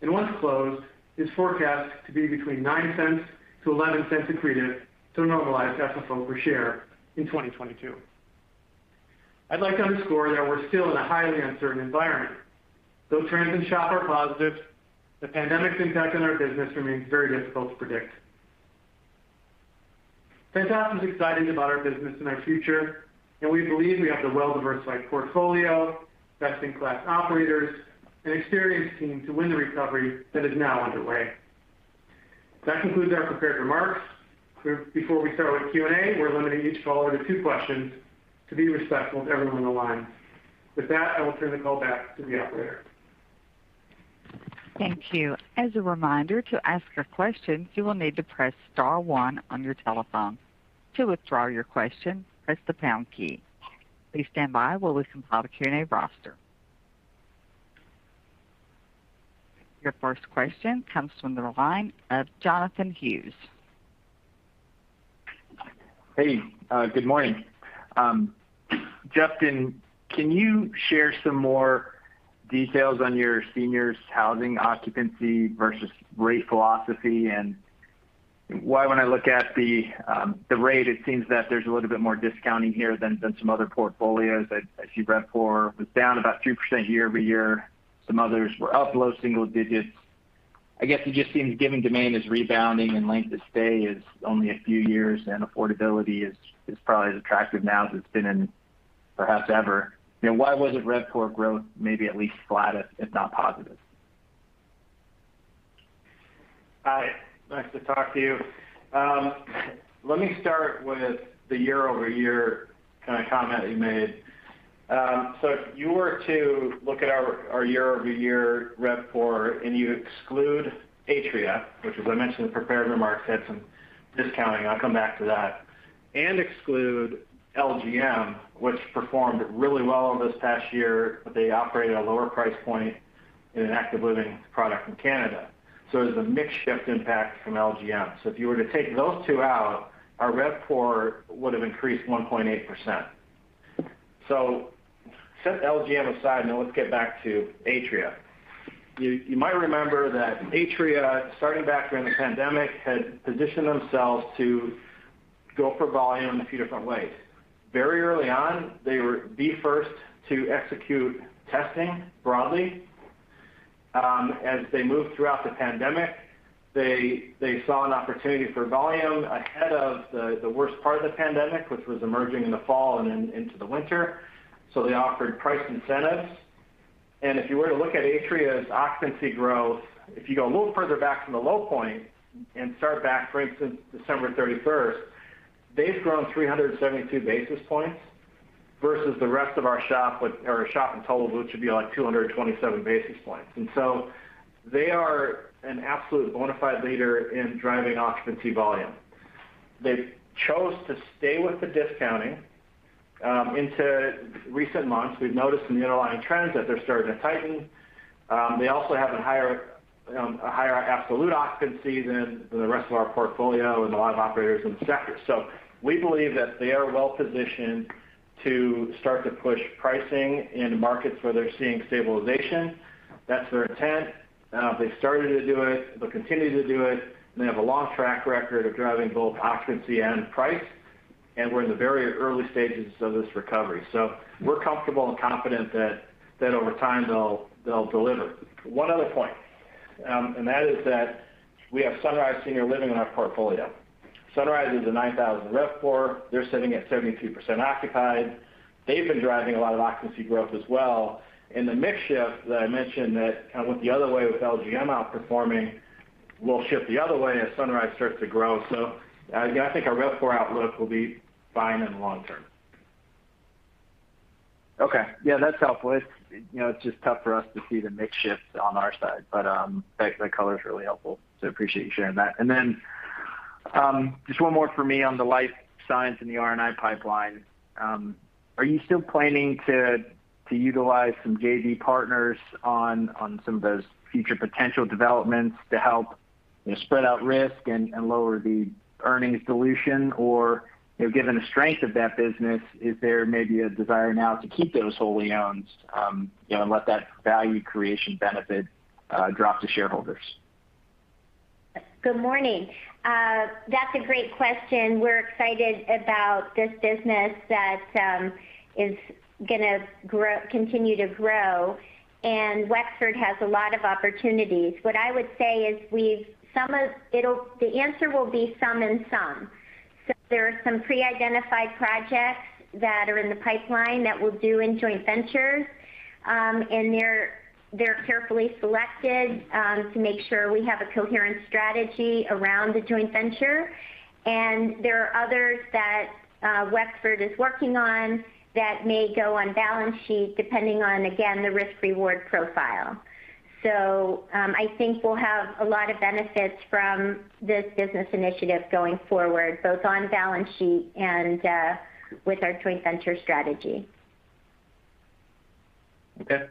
and once closed, is forecast to be between $0.09-$0.11 accretive to normalized EPS for share in 2022. I'd like to underscore that we're still in a highly uncertain environment. Though trends in SHOP are positive, the pandemic's impact on our business remains very difficult to predict. Ventas is excited about our business and our future. We believe we have the well-diversified portfolio, best-in-class operators, and experienced team to win the recovery that is now underway. That concludes our prepared remarks. Before we start with Q&A, we're limiting each caller to two questions to be respectful of everyone on the line. With that, I will turn the call back to the operator. Thank you. As a reminder, to ask a question, you will need to press star one on your telephone. To withdraw your question, press the pound key. Please stand by while we compile the Q&A roster. Your first question comes from the line of Jonathan Hughes. Hey. Good morning. Justin, can you share some more details on your Seniors Housing occupancy versus rate philosophy and why when I look at the rate, it seems that there's a little bit more discounting here than some other portfolios? I see RevPOR was down about 2% year-over-year. Some others were up low single digits. I guess it just seems given demand is rebounding and length of stay is only a few years and affordability is probably as attractive now as it's been in perhaps ever. Why wasn't RevPOR growth maybe at least flat, if not positive? Hi. Nice to talk to you. Let me start with the year-over-year kind of comment that you made. If you were to look at our year-over-year RevPOR and you exclude Atria, which as I mentioned in prepared remarks, had some discounting, I'll come back to that, and exclude LGM, which performed really well this past year, but they operate at a lower price point in an active living product in Canada. There's a mix shift impact from LGM. If you were to take those two out, our RevPOR would have increased 1.8%. Set LGM aside. Now let's get back to Atria. You might remember that Atria, starting back during the pandemic, had positioned themselves to go for volume in a few different ways. Very early on, they were the first to execute testing broadly. As they moved throughout the pandemic, they saw an opportunity for volume ahead of the worst part of the pandemic, which was emerging in the fall and then into the winter. They offered price incentives. If you were to look at Atria's occupancy growth, if you go a little further back from the low point and start back, for instance, December 31st, they've grown 372 basis points versus the rest of our SHOP in total, which would be like 227 basis points. They are an absolute bona fide leader in driving occupancy volume. They chose to stay with the discounting into recent months. We've noticed some underlying trends that they're starting to tighten. They also have a higher absolute occupancy than the rest of our portfolio and a lot of operators in the sector. We believe that they are well-positioned to start to push pricing in markets where they're seeing stabilization. That's their intent. They've started to do it. They'll continue to do it. They have a long track record of driving both occupancy and price. We're in the very early stages of this recovery. We're comfortable and confident that over time they'll deliver. One other point, and that is that we have Sunrise Senior Living in our portfolio. Sunrise is a 9,000 RevPOR. They're sitting at 72% occupied. They've been driving a lot of occupancy growth as well, and the mix shift that I mentioned that kind of went the other way with LGM outperforming will shift the other way as Sunrise starts to grow. I think our RevPOR outlook will be fine in the long term. That's helpful. It's just tough for us to see the mix shift on our side, but that color is really helpful. Appreciate you sharing that. Just one more for me on the life science and the R&I pipeline. Are you still planning to utilize some JV partners on some of those future potential developments to help spread out risk and lower the earnings dilution? Given the strength of that business, is there maybe a desire now to keep those wholly owned and let that value creation benefit drop to shareholders? Good morning. That's a great question. We're excited about this business that is going to continue to grow. Wexford has a lot of opportunities. What I would say is the answer will be some and some. There are some pre-identified projects that are in the pipeline that we'll do in joint ventures. They're carefully selected to make sure we have a coherent strategy around the joint venture. There are others that Wexford is working on that may go on balance sheet depending on, again, the risk-reward profile. I think we'll have a lot of benefits from this business initiative going forward, both on balance sheet and with our joint venture strategy. Okay.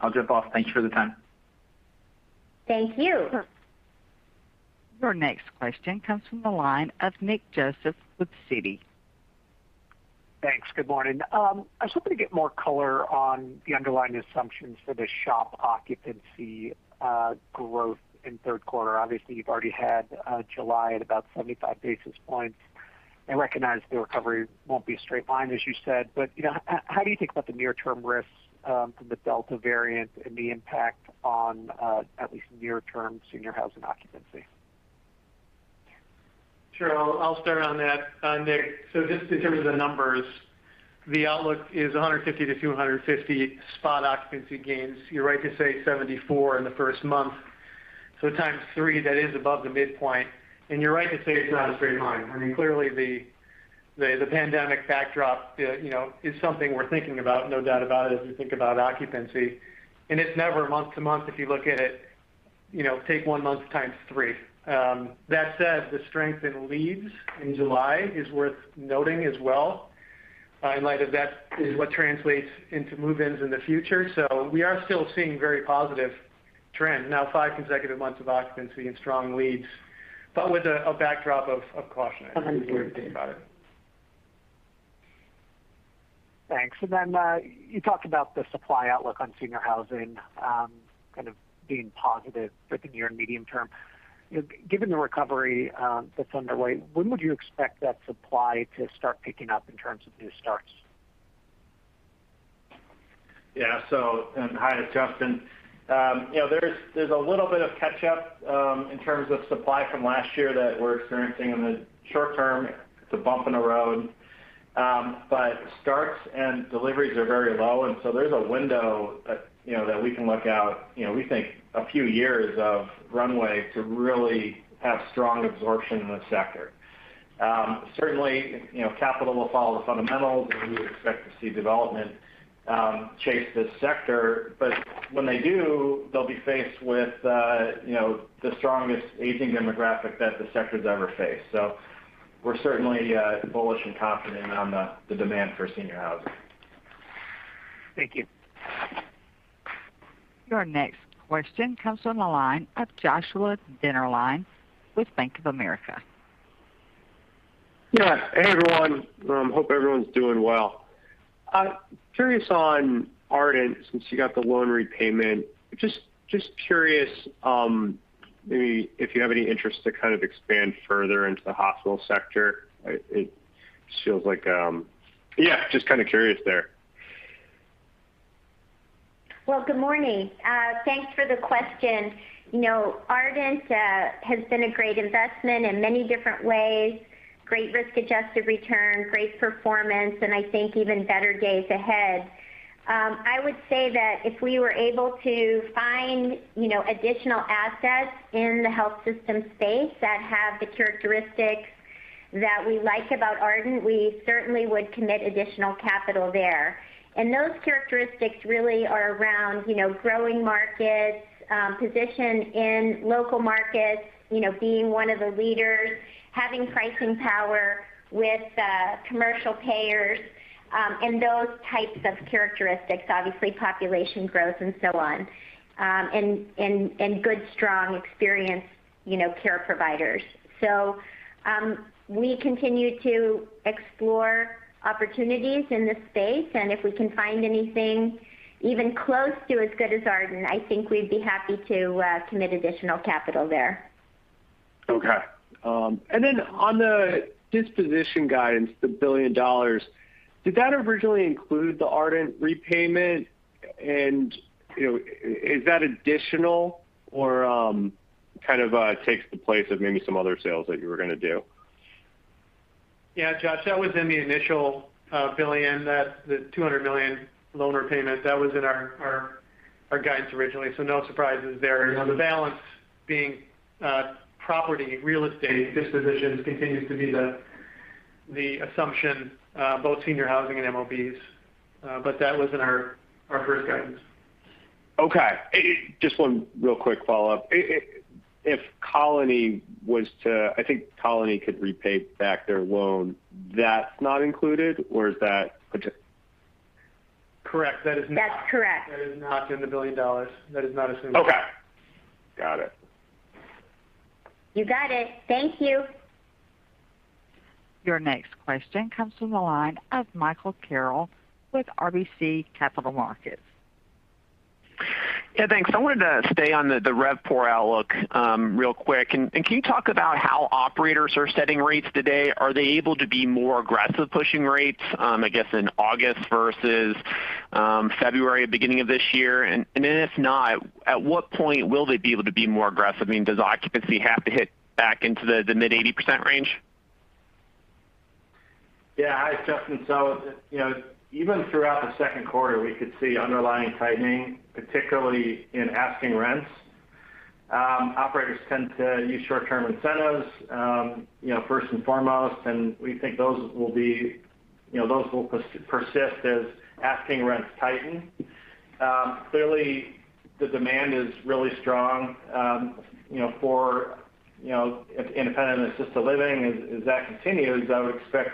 I'll jump off. Thank you for the time. Thank you. Sure. Your next question comes from the line of Nick Joseph with Citi. Thanks. Good morning. I was hoping to get more color on the underlying assumptions for the SHOP occupancy growth in third quarter. Obviously, you've already had July at about 75 basis points. I recognize the recovery won't be a straight line, as you said. How do you think about the near-term risks from the Delta variant and the impact on at least near-term Senior Housing occupancy? Sure. I'll start on that, Nick. Just in terms of the numbers, the outlook is 150 basis points to 250 basis points spot occupancy gains. You're right to say 74 basis point in the first month, so times 3, that is above the midpoint. You're right to say it's not a straight line. I mean, clearly the pandemic backdrop is something we're thinking about, no doubt about it, as we think about occupancy. It's never month to month if you look at it, take one-month times 3. That said, the strength in leads in July is worth noting as well, in light of that is what translates into move-ins in the future. We are still seeing very positive trends. Now 5 consecutive months of occupancy and strong leads, but with a backdrop of caution as we think about it. Thanks. You talked about the supply outlook on Senior Housing kind of being positive for the near and medium term. Given the recovery that's underway, when would you expect that supply to start picking up in terms of new starts? Yeah. Hi, it's Justin. There's a little bit of catch-up in terms of supply from last year that we're experiencing in the short term. It's a bump in the road. Starts and deliveries are very low, there's a window that we can look out, we think, a few years of runway to really have strong absorption in the sector. Certainly, capital will follow the fundamentals, and we would expect to see development chase this sector. When they do, they'll be faced with the strongest aging demographic that the sector's ever faced. We're certainly bullish and confident on the demand for Senior Housing. Thank you. Your next question comes from the line of Joshua Dennerlein with Bank of America. Yeah. Hey, everyone. Hope everyone's doing well. Curious on Ardent, since you got the loan repayment, just curious if you have any interest to kind of expand further into the hospital sector. Yeah, just kind of curious there. Well, good morning. Thanks for the question. Ardent has been a great investment in many different ways. Great risk-adjusted return, great performance, and I think even better days ahead. I would say that if we were able to find additional assets in the health system space that have the characteristics that we like about Ardent, we certainly would commit additional capital there. Those characteristics really are around growing markets, position in local markets, being one of the leaders, having pricing power with commercial payers, and those types of characteristics. Obviously, population growth and so on. Good, strong, experienced care providers. We continue to explore opportunities in this space, and if we can find anything even close to as good as Ardent, I think we'd be happy to commit additional capital there. Okay. On the disposition guidance, the $1 billion, did that originally include the Ardent repayment? Is that additional or kind of takes the place of maybe some other sales that you were going to do? Yeah, Josh, that was in the initial $1 billion, the $200 million loan repayment. That was in our guidance originally, no surprises there. The balance being property, real estate dispositions continues to be the assumption, both Senior Housing and MOBs, that was in our first guidance. Okay. Just one real quick follow-up. I think Colony could repay back their loan. That's not included or is that potential? Correct. That is not. That's correct. That is not in the billion dollars. That is not assumed. Okay. Got it. You got it. Thank you. Your next question comes from the line of Michael Carroll with RBC Capital Markets. Yeah, thanks. I wanted to stay on the RevPOR outlook real quick. Can you talk about how operators are setting rates today? Are they able to be more aggressive pushing rates, I guess, in August versus February, beginning of this year? If not, at what point will they be able to be more aggressive? Does occupancy have to hit back into the mid 80% range? Hi, Justin. Even throughout the second quarter, we could see underlying tightening, particularly in asking rents. Operators tend to use short-term incentives, first and foremost, and we think those will persist as asking rents tighten. Clearly, the demand is really strong for independent and assisted living. As that continues, I would expect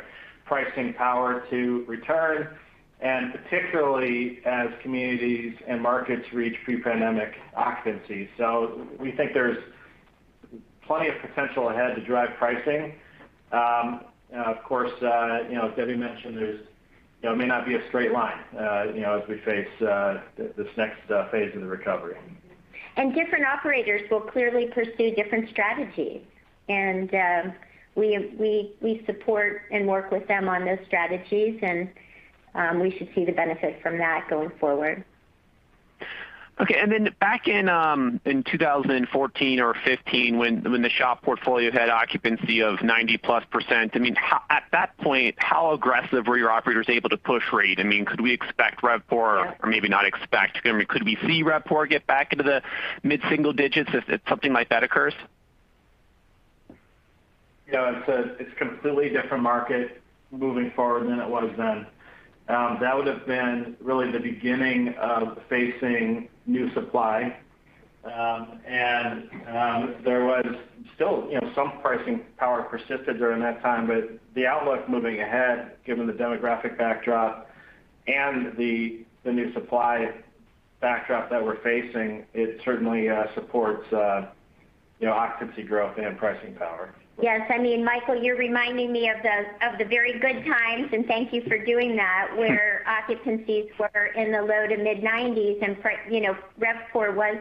pricing power to return, and particularly as communities and markets reach pre-pandemic occupancy. We think there's plenty of potential ahead to drive pricing. Of course, as Debbie mentioned, it may not be a straight line as we face this next phase of the recovery. Different operators will clearly pursue different strategies. We support and work with them on those strategies and we should see the benefit from that going forward. Okay, back in 2014 or 2015 when the SHOP portfolio had occupancy of 90+%, at that point, how aggressive were your operators able to push rate? Could we expect RevPOR? Yeah Maybe not expect, could we see RevPOR get back into the mid-single digits if something like that occurs? Yeah, it's a completely different market moving forward than it was then. That would've been really the beginning of facing new supply. There was still some pricing power persisted during that time, but the outlook moving ahead, given the demographic backdrop and the new supply backdrop that we're facing, it certainly supports occupancy growth and pricing power. Yes. Michael, you're reminding me of the very good times, and thank you for doing that, where occupancies were in the low to mid 90s%, and RevPOR was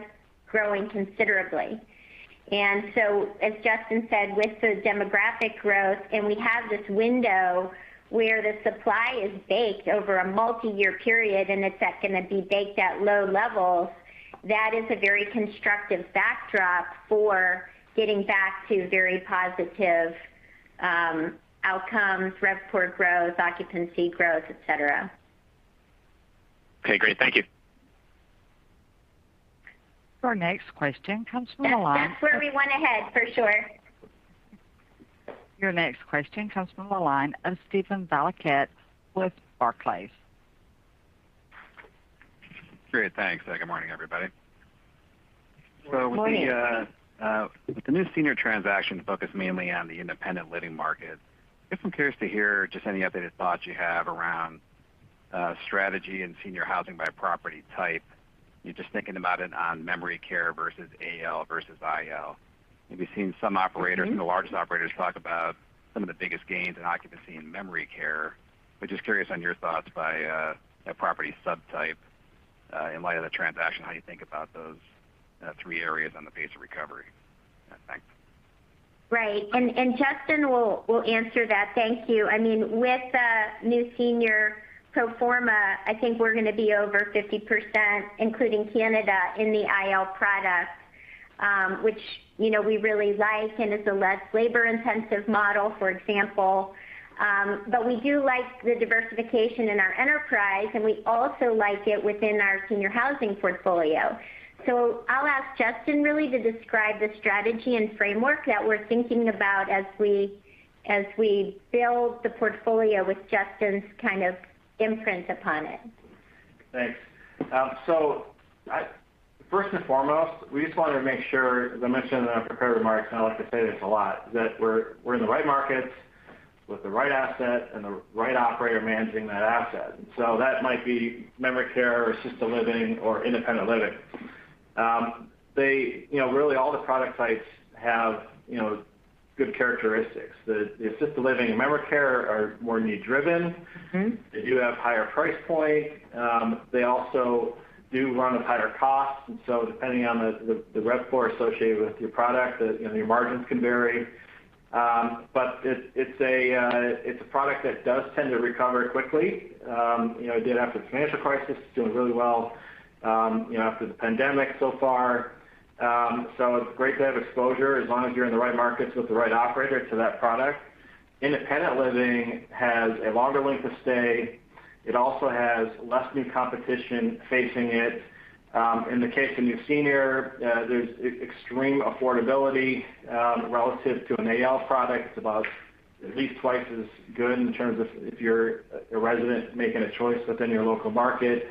growing considerably. As Justin said, with the demographic growth, and we have this window where the supply is baked over a multi-year period, and it's not going to be baked at low levels, that is a very constructive backdrop for getting back to very positive outcomes, RevPOR growth, occupancy growth, et cetera. Okay, great. Thank you. Our next question comes from the line. That's where we want to head, for sure. Your next question comes from the line of Steven Valiquette with Barclays. Great. Thanks. Good morning, everybody. Good morning. With the New Senior transaction focused mainly on the independent living market, just am curious to hear just any updated thoughts you have around strategy and Senior Housing by property type. Just thinking about it on memory care versus AL versus IL some of the largest operators talk about some of the biggest gains in occupancy in memory care. Just curious on your thoughts by property subtype, in light of the transaction, how you think about those three areas on the pace of recovery? Thanks. Right. Justin will answer that. Thank you. With New Senior pro forma, I think we're going to be over 50%, including Canada, in the IL product, which we really like, and it's a less labor-intensive model, for example. We do like the diversification in our enterprise, and we also like it within our Senior Housing portfolio. I'll ask Justin, really, to describe the strategy and framework that we're thinking about as we build the portfolio with Justin's kind of imprint upon it. Thanks. First and foremost, we just wanted to make sure, as I mentioned in our prepared remarks, and I like to say this a lot, that we're in the right markets with the right asset and the right operator managing that asset. That might be memory care or assisted living or independent living. Really, all the product types have good characteristics. The assisted living and memory care are more need driven. They do have higher price point. They also do run with higher costs, and so depending on the RevPOR associated with your product, your margins can vary. It's a product that does tend to recover quickly. It did after the financial crisis. It's doing really well after the pandemic so far. It's great to have exposure as long as you're in the right markets with the right operator to that product. Independent living has a longer length of stay. It also has less new competition facing it. In the case of New Senior, there's extreme affordability relative to an AL product. It's about at least twice as good in terms of if you're a resident making a choice within your local market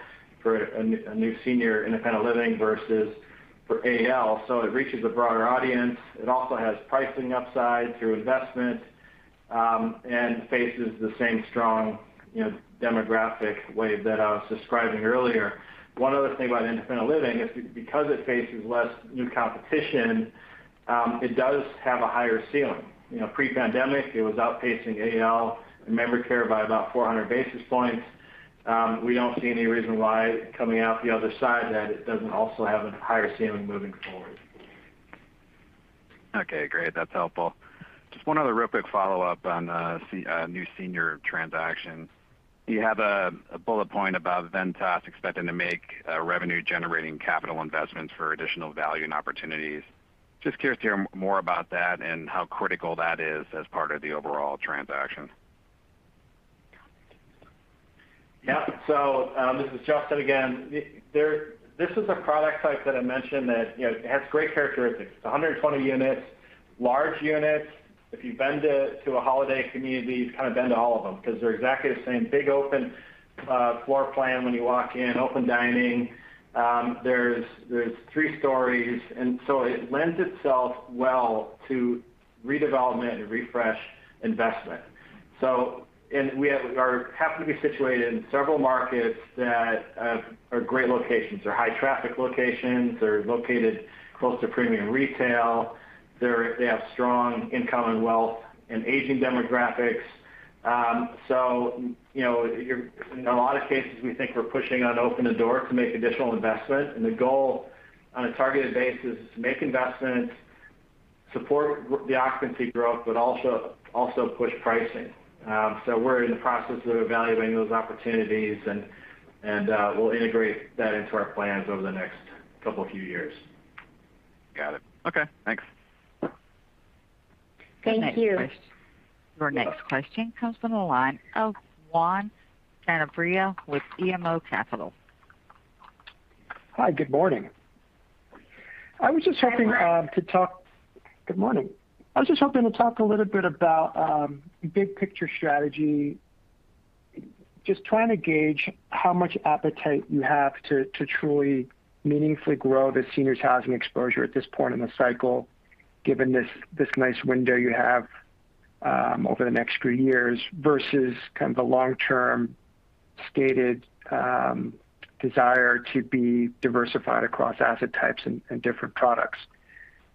for a New Senior independent living versus for AL. It reaches a broader audience. It also has pricing upside through investment, and faces the same strong demographic wave that I was describing earlier. One other thing about independent living is because it faces less new competition. It does have a higher ceiling. Pre-pandemic, it was outpacing AL and memory care by about 400 basis points. We don't see any reason why coming out the other side that it doesn't also have a higher ceiling moving forward. Okay, great. That's helpful. Just one other real quick follow-up on the New Senior transaction. You have a bullet point about Ventas expecting to make revenue-generating capital investments for additional value and opportunities. Just curious to hear more about that and how critical that is as part of the overall transaction. Yeah. This is Justin again. This is a product type that I mentioned that has great characteristics. It's 120 units, large units. If you've been to a Holiday community, you've kind of been to all of them because they're exactly the same. Big open floor plan when you walk in, open dining. There're three stories, it lends itself well to redevelopment and refresh investment. We happen to be situated in several markets that are great locations. They're high traffic locations. They're located close to premium retail. They have strong income and wealth and aging demographics. In a lot of cases, we think we're pushing on open a door to make additional investment, and the goal on a targeted basis is to make investments, support the occupancy growth, but also push pricing. We're in the process of evaluating those opportunities, and we'll integrate that into our plans over the next couple few years. Got it. Okay. Thanks. Thank you. Your next question comes from the line of Juan Sanabria with BMO Capital Markets. Hi, good morning. Hi, Juan. Good morning. I was just hoping to talk a little bit about big picture strategy. Just trying to gauge how much appetite you have to truly meaningfully grow the Seniors housing exposure at this point in the cycle, given this nice window you have over the next few years versus kind of the long term stated desire to be diversified across asset types and different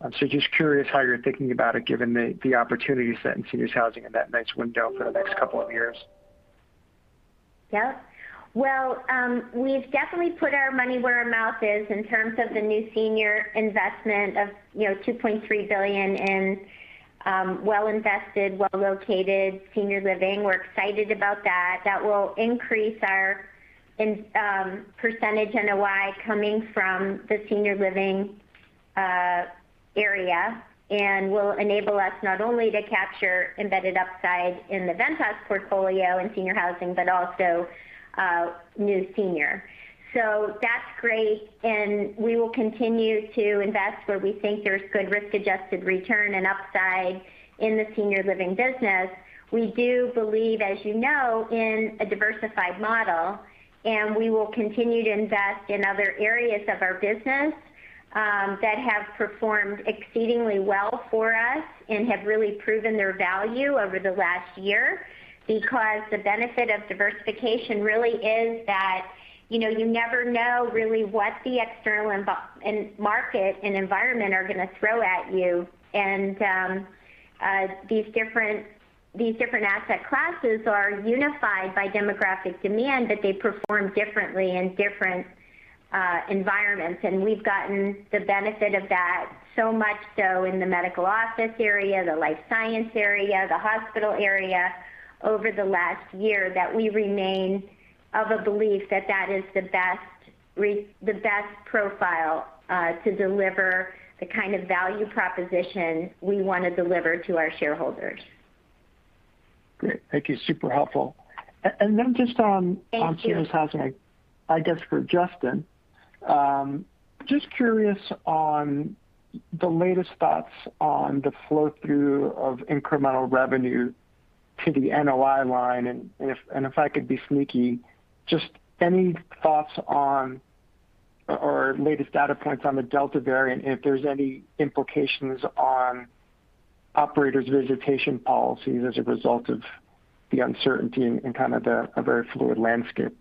products? Just curious how you're thinking about it, given the opportunities in Seniors housing and that nice window for the next couple of years. Yeah. Well, we've definitely put our money where our mouth is in terms of the New Senior investment of $2.3 billion in well invested, well-located Senior living. We're excited about that. That will increase our percentage NOI coming from the Senior living area and will enable us not only to capture embedded upside in the Ventas portfolio in Senior Housing, but also New Senior. That's great, and we will continue to invest where we think there's good risk-adjusted return and upside in the Senior living business. We do believe, as you know, in a diversified model, and we will continue to invest in other areas of our business that have performed exceedingly well for us and have really proven their value over the last year. The benefit of diversification really is that you never know really what the external market and environment are going to throw at you. These different asset classes are unified by demographic demand, but they perform differently in different environments. We've gotten the benefit of that, so much so in the medical office area, the life science area, the hospital area over the last year, that we remain of a belief that that is the best profile to deliver the kind of value proposition we want to deliver to our shareholders. Great. Thank you. Super helpful. Thank you. Just on Seniors Housing, I guess for Justin. Just curious on the latest thoughts on the flow-through of incremental revenue to the NOI line, and if I could be sneaky, just any thoughts on or latest data points on the Delta variant, if there's any implications on operator's visitation policies as a result of the uncertainty and kind of the very fluid landscape?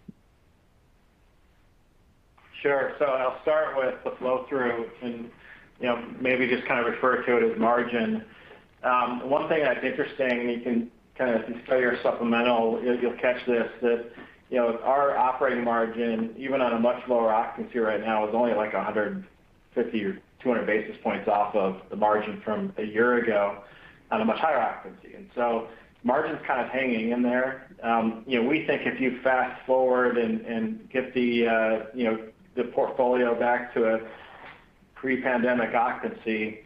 Sure. I'll start with the flow-through and maybe just kind of refer to it as margin. One thing that's interesting, and you can kind of just tell your supplemental is you'll catch this, that our operating margin, even on a much lower occupancy right now, is only like 150 basis points or 200 basis points off of the margin from a year ago on a much higher occupancy. Margin's kind of hanging in there. We think if you fast forward and get the portfolio back to a pre-pandemic occupancy,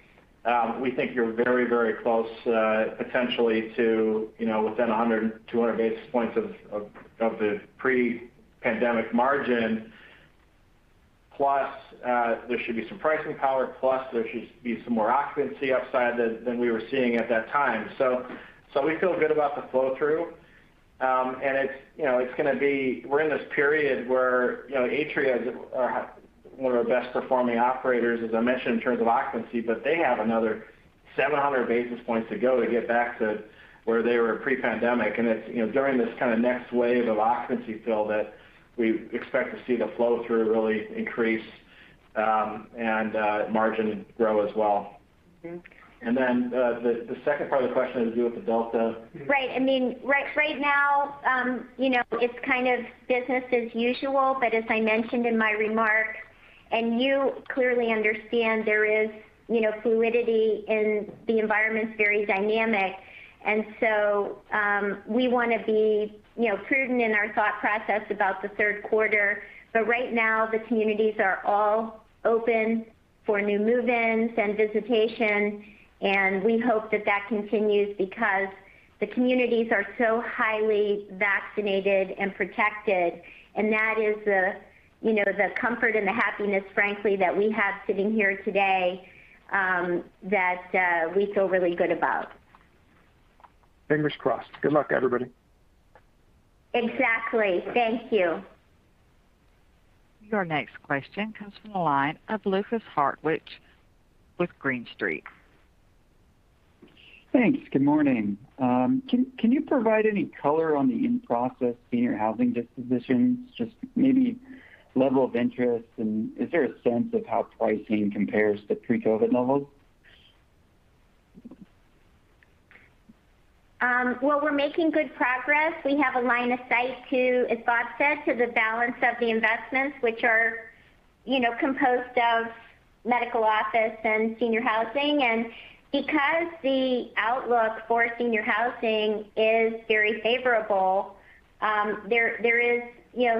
we think you're very close potentially to within 100 basis points, 200 basis points of the pre-pandemic margin. Plus, there should be some pricing power, plus there should be some more occupancy upside than we were seeing at that time. We feel good about the flow-through. We're in this period where Atria is one of our best performing operators, as I mentioned, in terms of occupancy. They have another 700 basis points to go to get back to where they were pre-pandemic. It's during this kind of next wave of occupancy fill that we expect to see the flow-through really increase and margin grow as well. The second part of the question has to do with the Delta. Right. Right now it's kind of business as usual, as I mentioned in my remarks, you clearly understand there is fluidity and the environment's very dynamic. We want to be prudent in our thought process about the third quarter. Right now, the communities are all open for new move-ins and visitation, we hope that that continues because the communities are so highly vaccinated and protected, that is the comfort and the happiness, frankly, that we have sitting here today that we feel really good about. Fingers crossed. Good luck, everybody. Exactly. Thank you. Your next question comes from the line of Lukas Hartwich with Green Street. Thanks. Good morning. Can you provide any color on the in-process Senior Housing dispositions, just maybe level of interest? Is there a sense of how pricing compares to pre-COVID levels? Well, we're making good progress. We have a line of sight to, as Rob said, to the balance of the investments, which are composed of medical office and Senior Housing. Because the outlook for Senior Housing is very favorable, there is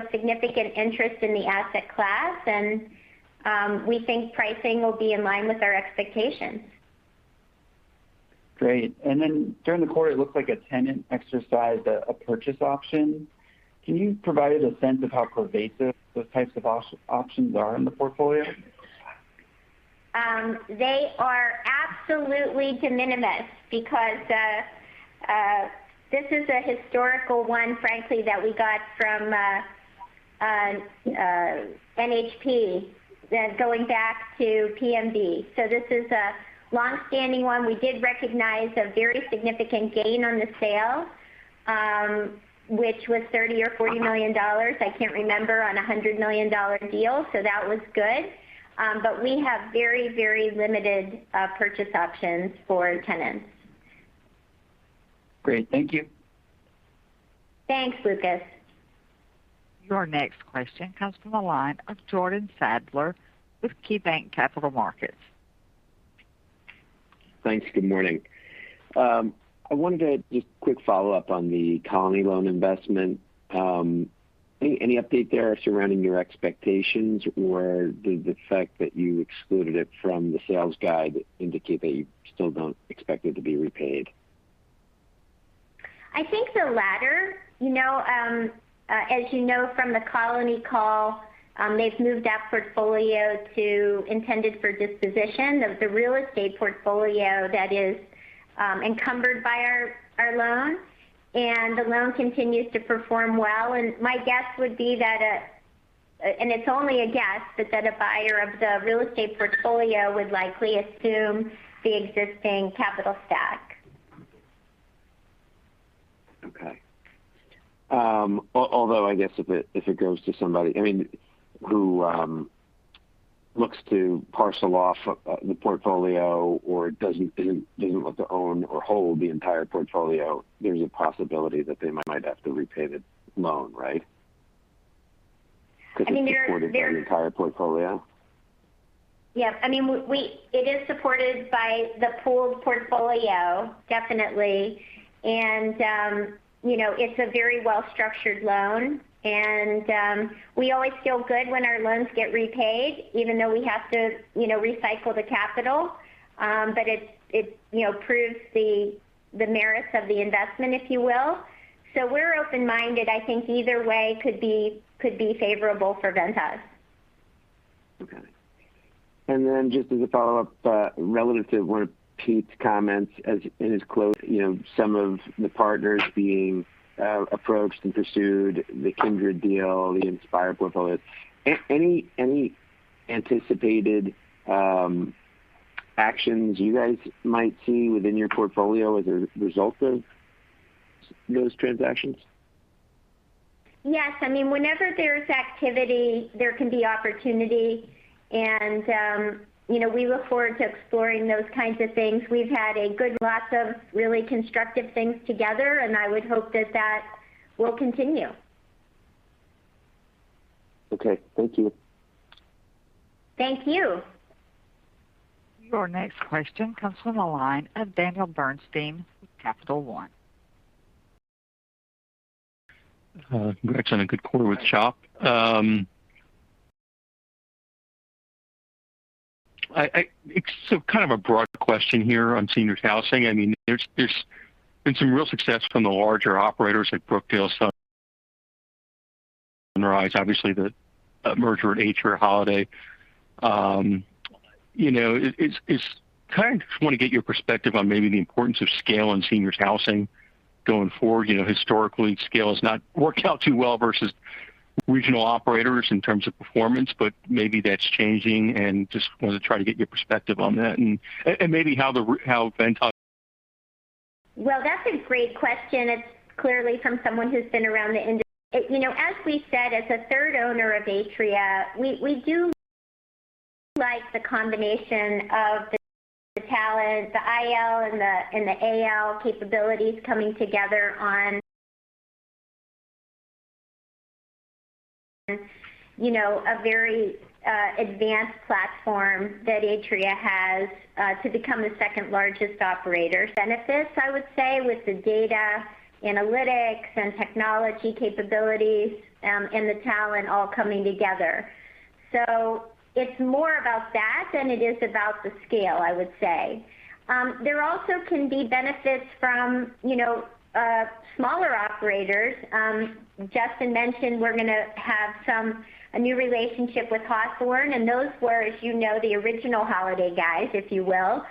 significant interest in the asset class, and we think pricing will be in line with our expectations. Great. During the quarter, it looked like a tenant exercised a purchase option. Can you provide a sense of how pervasive those types of options are in the portfolio? They are absolutely de minimis because this is a historical one, frankly, that we got from NHP going back to PMB. This is a longstanding one. We did recognize a very significant gain on the sale, which was $30 million or $40 million, I can't remember, on a $100 million deal. That was good. We have very limited purchase options for tenants. Great. Thank you. Thanks, Lukas. Your next question comes from the line of Jordan Sadler with KeyBanc Capital Markets. Thanks. Good morning. I wanted to just quick follow up on the Colony loan investment. Any update there surrounding your expectations or the fact that you excluded it from the sales guide indicate that you still don't expect it to be repaid? I think the latter. As you know from the Colony call, they've moved that portfolio to intended for disposition of the real estate portfolio that is encumbered by our loan, and the loan continues to perform well. My guess would be that, and it's only a guess, but that a buyer of the real estate portfolio would likely assume the existing capital stack. Okay. I guess if it goes to somebody who looks to parcel off the portfolio or doesn't look to own or hold the entire portfolio, there's a possibility that they might have to repay the loan, right? I mean. It's supported their entire portfolio? Yeah. It is supported by the pooled portfolio, definitely. It's a very well-structured loan. We always feel good when our loans get repaid, even though we have to recycle the capital. It proves the merits of the investment, if you will. We're open-minded. I think either way could be favorable for Ventas. Okay. Just as a follow-up, relative to one of Pete's comments as in his quote, some of the partners being approached and pursued the Kindred deal, the Inspire portfolio, any anticipated actions you guys might see within your portfolio as a result of those transactions? Yes. Whenever there's activity, there can be opportunity, and we look forward to exploring those kinds of things. We've had a good lots of really constructive things together, and I would hope that that will continue. Okay. Thank you. Thank you. Your next question comes from the line of Daniel Bernstein with Capital One. Congrats on a good quarter with SHOP. Kind of a broad question here on Senior Housing. There's been some real success from the larger operators like Brookdale, Sunrise, obviously the merger at Atria-Holiday. I kind of just want to get your perspective on maybe the importance of scale in Senior Housing going forward. Historically, scale has not worked out too well versus regional operators in terms of performance, but maybe that's changing, and just wanted to try to get your perspective on that? That's a great question. It's clearly from someone who's been around the industry. As we said, as a third owner of Atria, we do like the combination of the talent, the IL and the AL capabilities coming together on a very advanced platform that Atria has to become the second largest operator. Benefits, I would say, with the data analytics and technology capabilities, and the talent all coming together. It's more about that than it is about the scale, I would say. There also can be benefits from smaller operators. Justin mentioned we're going to have a new relationship with Hawthorn, those were the original Holiday guys, if you will.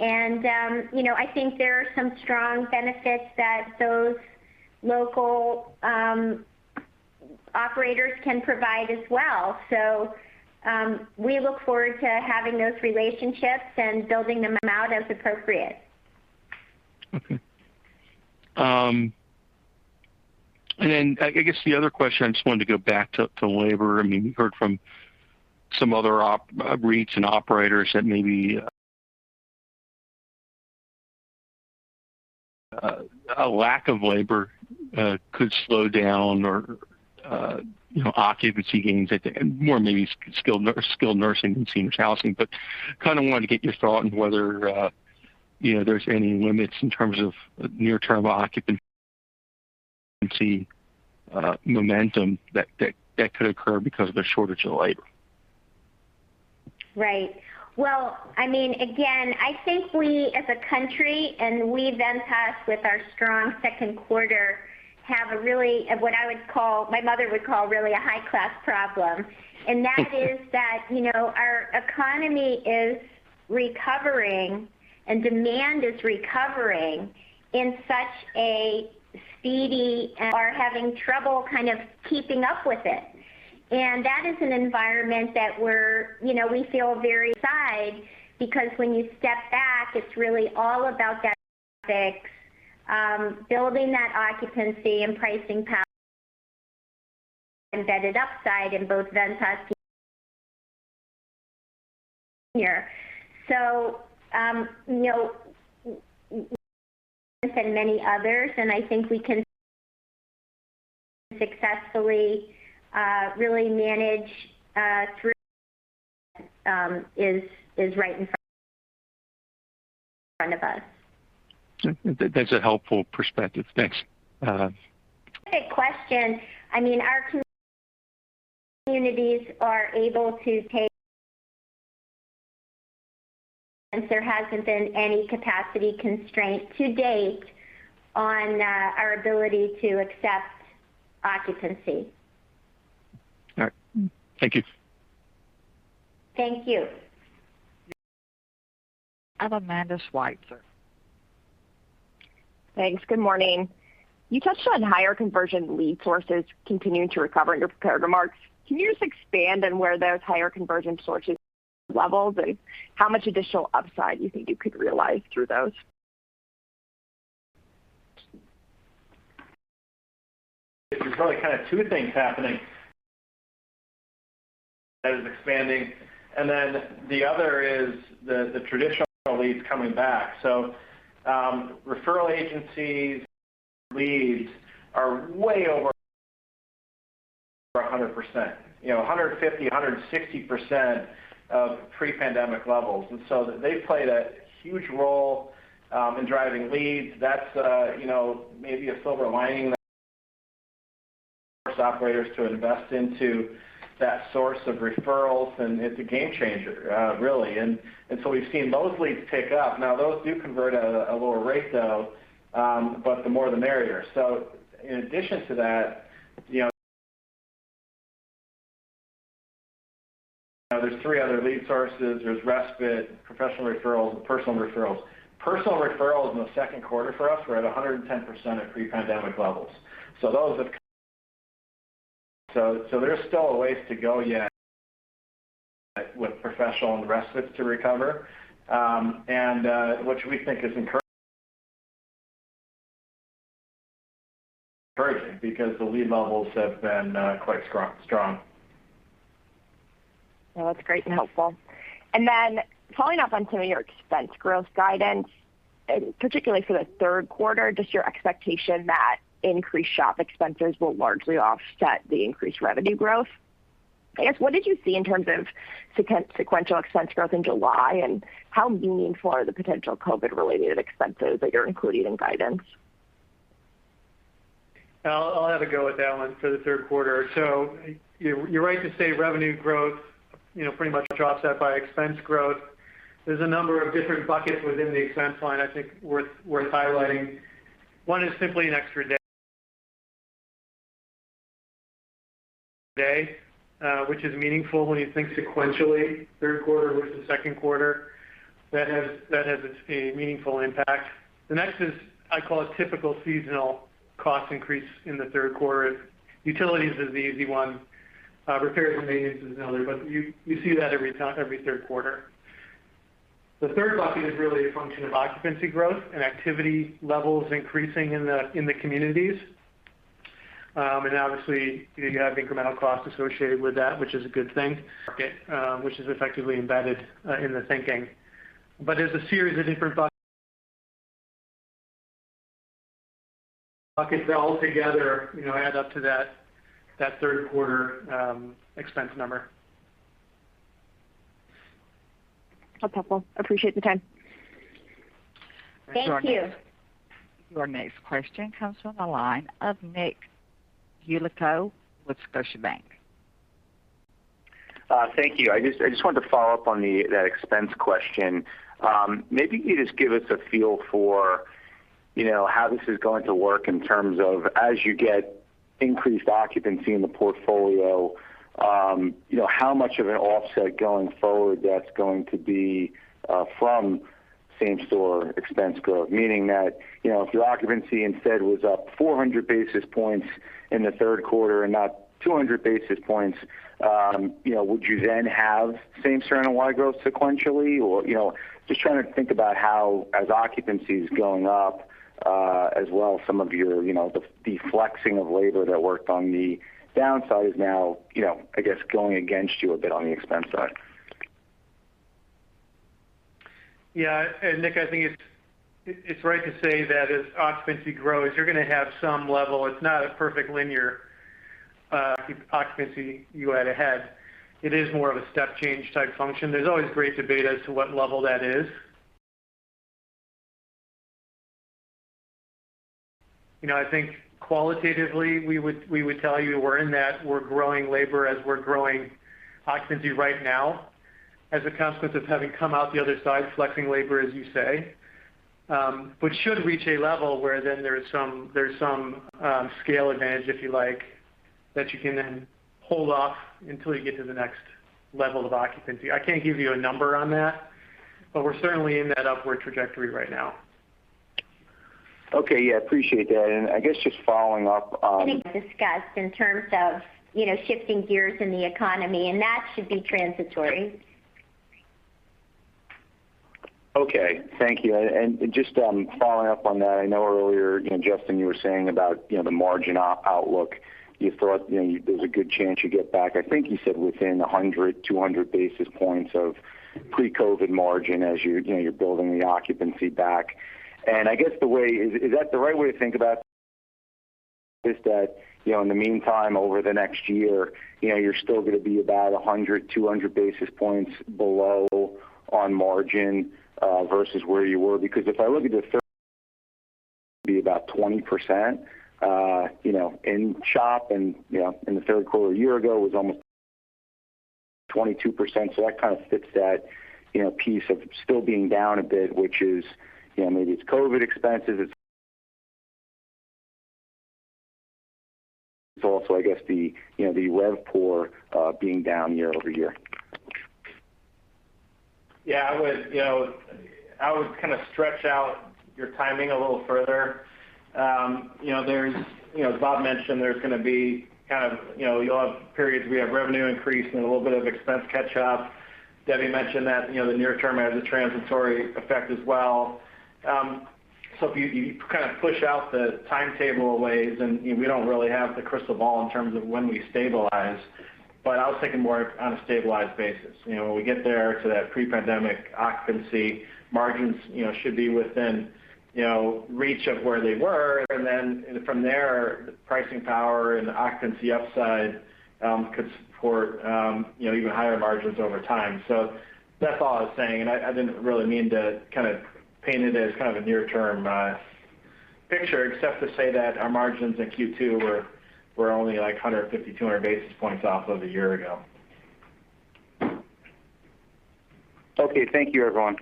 I think there are some strong benefits that those local operators can provide as well. We look forward to having those relationships and building them out as appropriate. Okay. I guess the other question, I just wanted to go back to labor. We heard from some other REITs and operators that maybe a lack of labor could slow down or occupancy gains at the, more maybe skilled nursing than Senior Housing. I kind of wanted to get your thought into whether there's any limits in terms of near term occupancy momentum that could occur because of the shortage of labor? Right. Well, again, I think we, as a country, and we, Ventas, with our strong second quarter, have a really, what my mother would call really a high-class problem. That is that our economy is recovering and demand is recovering in such a speedy--. Are having trouble kind of keeping up with it. That is an environment that we feel very excited, because when you step back, it's really all about that mix, building that occupancy and pricing power, and vetted upside in both Ventas here. We and many others, and I think we can successfully really manage through is right in front of us. That's a helpful perspective. Thanks. Great question. Our communities are able to take, and there hasn't been any capacity constraint to date on our ability to accept occupancy. All right. Thank you. Thank you. I have Amanda Sweitzer. Thanks. Good morning. You touched on higher conversion lead sources continuing to recover in your prepared remarks. Can you just expand on where those higher conversion sources levels and how much additional upside you think you could realize through those? There's really kind of two things happening. That is expanding. The other is the traditional leads coming back. Referral agencies leads are way over 100%, 150%, 160% of pre-pandemic levels. They've played a huge role in driving leads. That's maybe a silver lining that operators to invest into that source of referrals, and it's a game changer, really. We've seen those leads pick up. Now, those do convert at a lower rate, though, but the more the merrier. In addition to that, there's three other lead sources. There're respite, professional referrals, and personal referrals. Personal referrals in the second quarter for us were at 110% of pre-pandemic levels. There's still a ways to go yet with professional and respite to recover, which we think is encouraging because the lead levels have been quite strong. No, that's great and helpful. Following up on some of your expense growth guidance, particularly for the third quarter, just your expectation that increased SHOP expenses will largely offset the increased revenue growth. I guess, what did you see in terms of sequential expense growth in July, and how meaningful are the potential COVID related expenses that you're including in guidance? I'll have a go at that one for the third quarter. You're right to say revenue growth pretty much offset by expense growth. There's a number of different buckets within the expense line I think worth highlighting. One is simply an extra day, which is meaningful when you think sequentially, third quarter versus second quarter. That has a meaningful impact. The next is, I call it typical seasonal cost increase in the third quarter. Utilities is the easy one. Repairs and maintenance are another, but you see that every third quarter. The third bucket is really a function of occupancy growth and activity levels increasing in the communities. Obviously, you have incremental costs associated with that, which is a good thing. Which is effectively embedded in the thinking. There's a series of different buckets that all together add up to that third quarter expense number. Helpful. Appreciate the time. Thank you. Your next question comes from the line of Nick Yulico with Scotiabank. Thank you. I just wanted to follow up on that expense question. Maybe you could just give us a feel for how this is going to work in terms of as you get increased occupancy in the portfolio, how much of an offset going forward that's going to be from same store expense growth, meaning that, if your occupancy instead was up 400 basis points in the third quarter and not 200 basis points, would you then have same store NOI growth sequentially? Just trying to think about how as occupancy's going up, as well, some of the deflexing of labor that worked on the downside is now, I guess, going against you a bit on the expense side. Yeah. Nick, I think it's right to say that as occupancy grows, you're going to have some level. It's not a perfect linear occupancy you add ahead. It is more of a step change type function. There's always great debate as to what level that is. I think qualitatively, we would tell you we're in that. We're growing labor as we're growing occupancy right now as a consequence of having come out the other side flexing labor, as you say, which should reach a level where then there's some scale advantage, if you like, that you can then hold off until you get to the next level of occupancy. I can't give you a number on that. We're certainly in that upward trajectory right now. Okay. Yeah, appreciate that. Getting discussed in terms of shifting gears in the economy, and that should be transitory. Okay. Thank you. Just following up on that, I know earlier, Justin, you were saying about the margin outlook. You thought there's a good chance you get back, I think you said within 100 basis points-200 basis points of pre-COVID margin as you're building the occupancy back. I guess the way is that the right way to think about this, that, in the meantime, over the next year, you're still gonna be about 100 basis points-200 basis points below on margin, versus where you were. If I look at the third quarter, be about 20%, in SHOP and in the third quarter a year ago was almost 22%. That kind of fits that Pete of still being down a bit, which is, maybe it's COVID expenses, it's also, I guess the RevPOR being down year-over-year. Yeah, I would kind of stretch out your timing a little further. As Rob mentioned, you'll have periods we have revenue increase and a little bit of expense catch up. Debbie mentioned that the near term has a transitory effect as well. If you kind of push out the timetable a ways, and we don't really have the crystal ball in terms of when we stabilize, but I was thinking more on a stabilized basis. When we get there to that pre-pandemic occupancy, margins should be within reach of where they were. From there, the pricing power and the occupancy upside could support even higher margins over time. That's all I was saying, and I didn't really mean to kind of paint it as kind of a near term picture, except to say that our margins in Q2 were only like 150 basis points, 200 basis points off of a year ago. Okay, thank you everyone.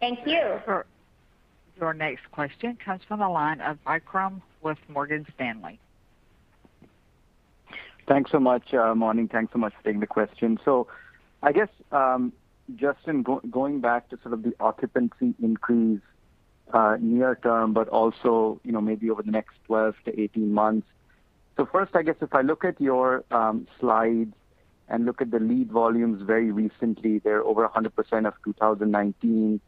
Thank you. Your next question comes from the line of Vikram with Morgan Stanley. Thanks so much. Morning. Thanks so much for taking the question. I guess, Justin, going back to sort of the occupancy increase, near term, but also, maybe over the next 12 months to 18 months. First, I guess if I look at your slides and look at the lead volumes very recently, they're over 100% of 2019.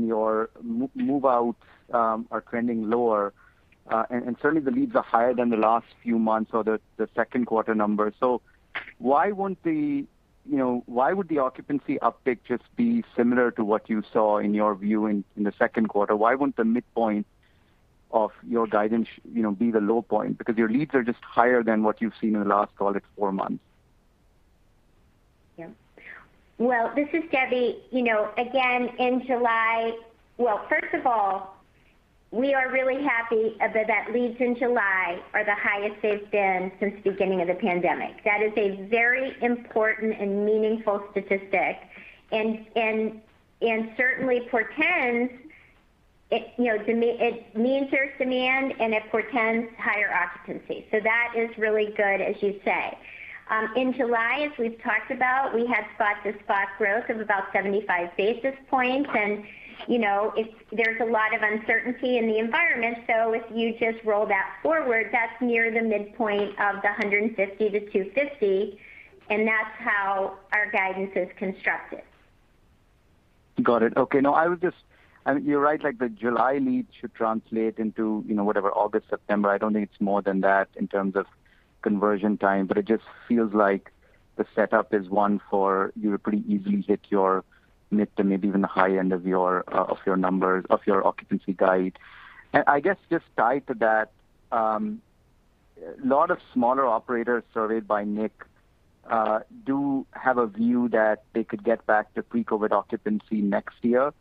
Your move-outs are trending lower. Certainly the leads are higher than the last few months or the second quarter numbers. Why would the occupancy uptick just be similar to what you saw in your view in the second quarter? Why won't the midpoint of your guidance be the low point? Because your leads are just higher than what you've seen in the last, call it 4months. This is Debbie. First of all, we are really happy that leads in July are the highest they've been since the beginning of the pandemic. That is a very important and meaningful statistic, certainly portends. It means there's demand and it portends higher occupancy. That is really good, as you say. In July, as we've talked about, we had spot-to-spot growth of about 75 basis points. There's a lot of uncertainty in the environment. If you just roll that forward, that's near the midpoint of the 150 basis point to 250 basis point. That's how our guidance is constructed. Got it. Okay. No, you're right, the July leads should translate into whatever, August, September. I don't think it's more than that in terms of conversion time, but it just feels like the setup is one for you to pretty easily hit your mid to maybe even the high end of your numbers, of your occupancy guide. I guess just tied to that, a lot of smaller operators surveyed by Nick do have a view that they could get back to pre-COVID occupancy next year.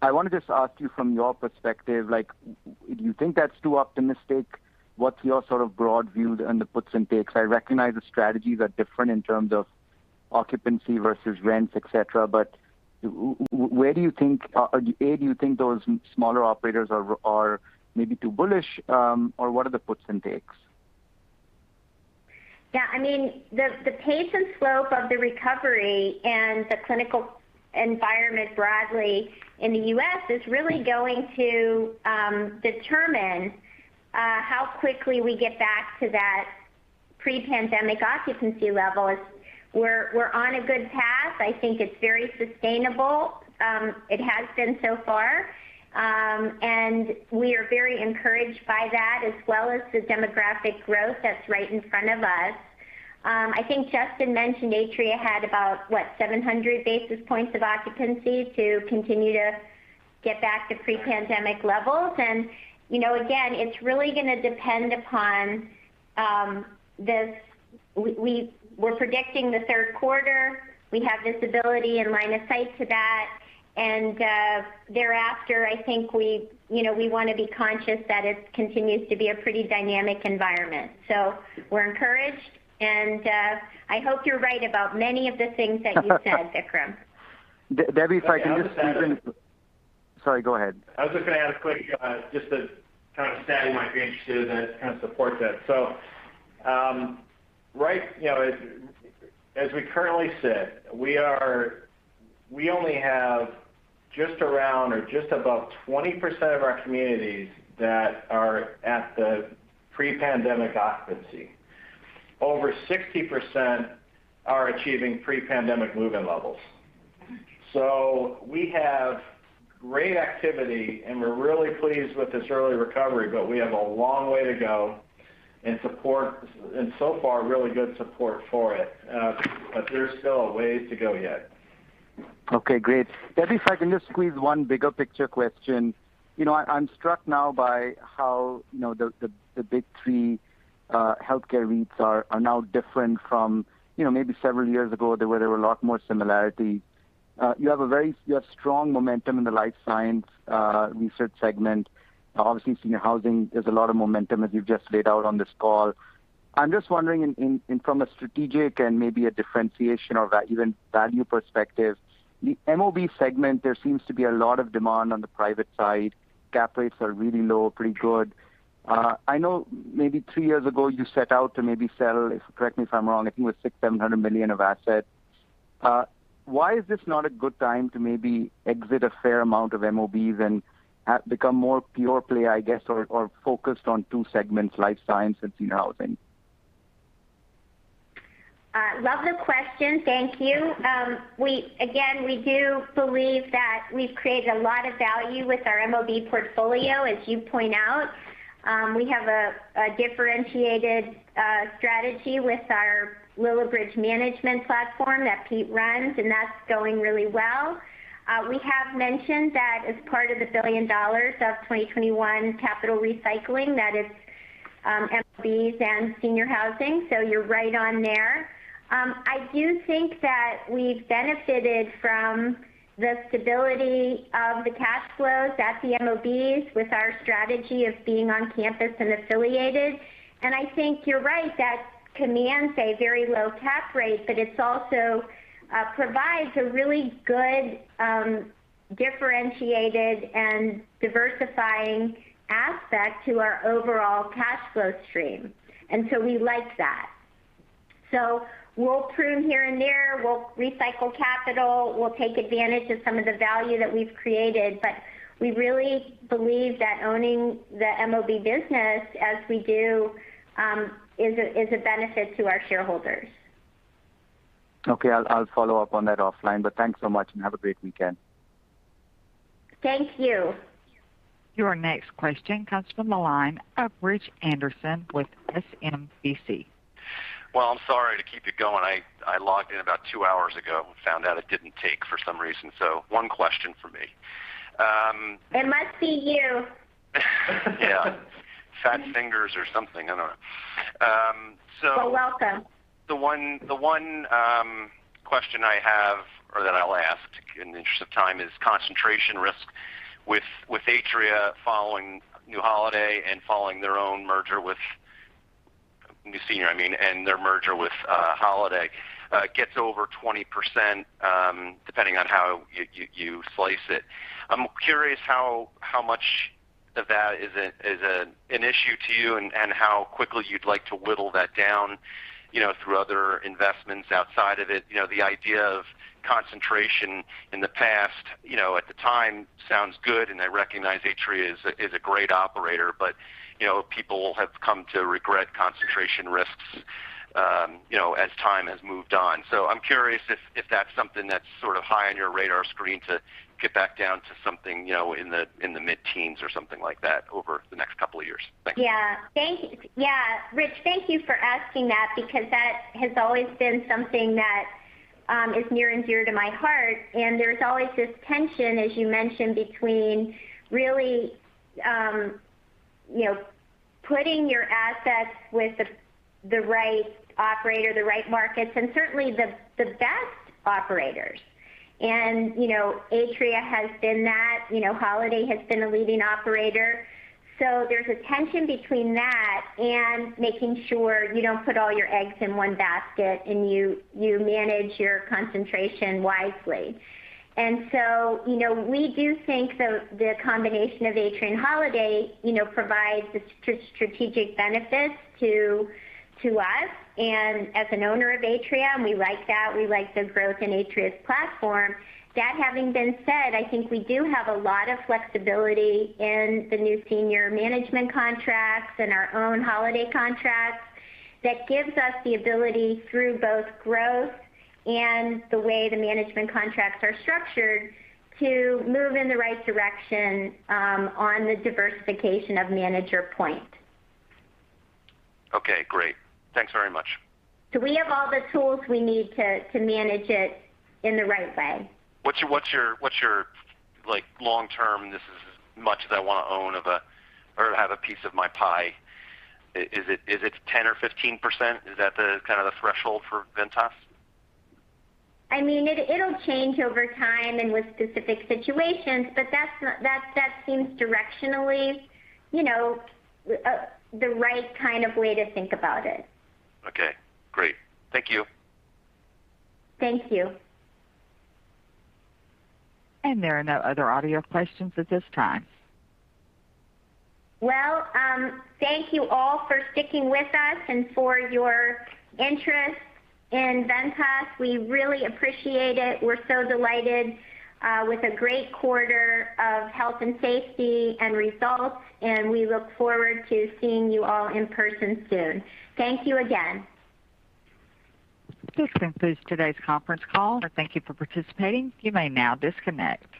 I want to just ask you from your perspective; do you think that's too optimistic? What's your sort of broad view on the puts and takes? I recognize the strategies are different in terms of occupancy versus rents, et cetera, but A, do you think those smaller operators are maybe too bullish? What are the puts and takes? Yeah. The pace and slope of the recovery and the clinical environment broadly in the U.S. is really going to determine how quickly we get back to that pre-pandemic occupancy level. We're on a good path. I think it's very sustainable. It has been so far. We are very encouraged by that, as well as the demographic growth that's right in front of us. I think Justin mentioned Atria had about, what, 700 basis points of occupancy to continue to get back to pre-pandemic levels. Again, it's really going to depend upon this. We're predicting the third quarter. We have visibility and line of sight to that. Thereafter, I think we want to be conscious that it continues to be a pretty dynamic environment. We're encouraged, and I hope you're right about many of the things that you said, Vikram. Debbie, I was going to add. Sorry, go ahead. I was just going to add. Just to kind of stack my gauge to that, kind of support that. As we currently sit, we only have just around or just above 20% of our communities that are at the pre-pandemic occupancy. Over 60% are achieving pre-pandemic move-in levels. We have great activity, and we're really pleased with this early recovery, but we have a long way to go, and so far, really good support for it. There's still a way to go yet. Okay, great. Debbie, I can just squeeze one bigger picture question. I'm struck now by how the big three healthcare REITs are now different from maybe several years ago. There were a lot more similarity. You have strong momentum in the life science research segment. Senior Housing, there's a lot of momentum as you've just laid out on this call. I'm just wondering from a strategic and maybe a differentiation or even value perspective, the MOB segment, there seems to be a lot of demand on the private side. Cap rates are really low, pretty good. I know maybe 3 years ago you set out to maybe sell, correct me if I'm wrong, I think it was $600 million-$700 million of assets. Why is this not a good time to maybe exit a fair amount of MOBs and become more pure-play, I guess, or focused on 2 segments, life science and Senior Housing? Love the question. Thank you. We do believe that we've created a lot of value with our MOB portfolio, as you point out. We have a differentiated strategy with our Lillibridge management platform that Pete runs, that's going really well. We have mentioned that as part of the $1 billion of 2021 capital recycling, that it's MOBs and Senior Housing. You're right on there. I do think that we've benefited from the stability of the cash flows at the MOBs with our strategy of being on campus and affiliated. I think you're right that commands a very low cap rate, it also provides a really good differentiated and diversifying aspect to our overall cash flow stream. We like that. We'll prune here and there. We'll recycle capital. We'll take advantage of some of the value that we've created. We really believe that owning the MOB business as we do is a benefit to our shareholders. Okay. I'll follow up on that offline, but thanks so much and have a great weekend. Thank you. Your next question comes from the line of Rich Anderson with SMBC. Well, I'm sorry to keep you going. I logged in about 2 hours ago and found out it didn't take for some reason. One question from me. It must be you. Yeah. Fat fingers or something, I don't know. You're welcome. The one question I have, or that I'll ask in the interest of time, is concentration risk with Atria following Holiday and following their own merger with New Senior, and their merger with Holiday gets over 20%, depending on how you slice it. I'm curious how much of that is an issue to you and how quickly you'd like to whittle that down, through other investments outside of it. The idea of concentration in the past, at the time sounds good, and I recognize Atria is a great operator. People have come to regret concentration risks, as time has moved on. I'm curious if that's something that's sort of high on your radar screen to get back down to something, in the mid-teens or something like that over the next couple of years. Thanks. Yeah. Rich, thank you for asking that, because that has always been something that is near and dear to my heart, and there's always this tension, as you mentioned, between really putting your assets with the right operator, the right markets, and certainly the best operators. Atria has been that. Holiday has been a leading operator. There's a tension between that and making sure you don't put all your eggs in one basket, and you manage your concentration wisely. We do think the combination of Atria and Holiday, provides strategic benefits to us. As an owner of Atria, we like that. We like the growth in Atria's platform. That having been said, I think we do have a lot of flexibility in the New Senior management contracts and our own Holiday contracts that gives us the ability through both growth and the way the management contracts are structured to move in the right direction on the diversification of manager point. Okay, great. Thanks very much. We have all the tools we need to manage it in the right way. What's your long-term, this is as much as I want to own of a, or have a piece of my pie? Is it 10% or 15%? Is that the kind of the threshold for Ventas? It'll change over time and with specific situations, but that seems directionally the right kind of way to think about it. Okay, great. Thank you. Thank you. There are no other audio questions at this time. Well, thank you all for sticking with us and for your interest in Ventas. We really appreciate it. We're so delighted with a great quarter of Health and Safety and results, and we look forward to seeing you all in person soon. Thank you again. This concludes today's conference call. I thank you for participating. You may now disconnect.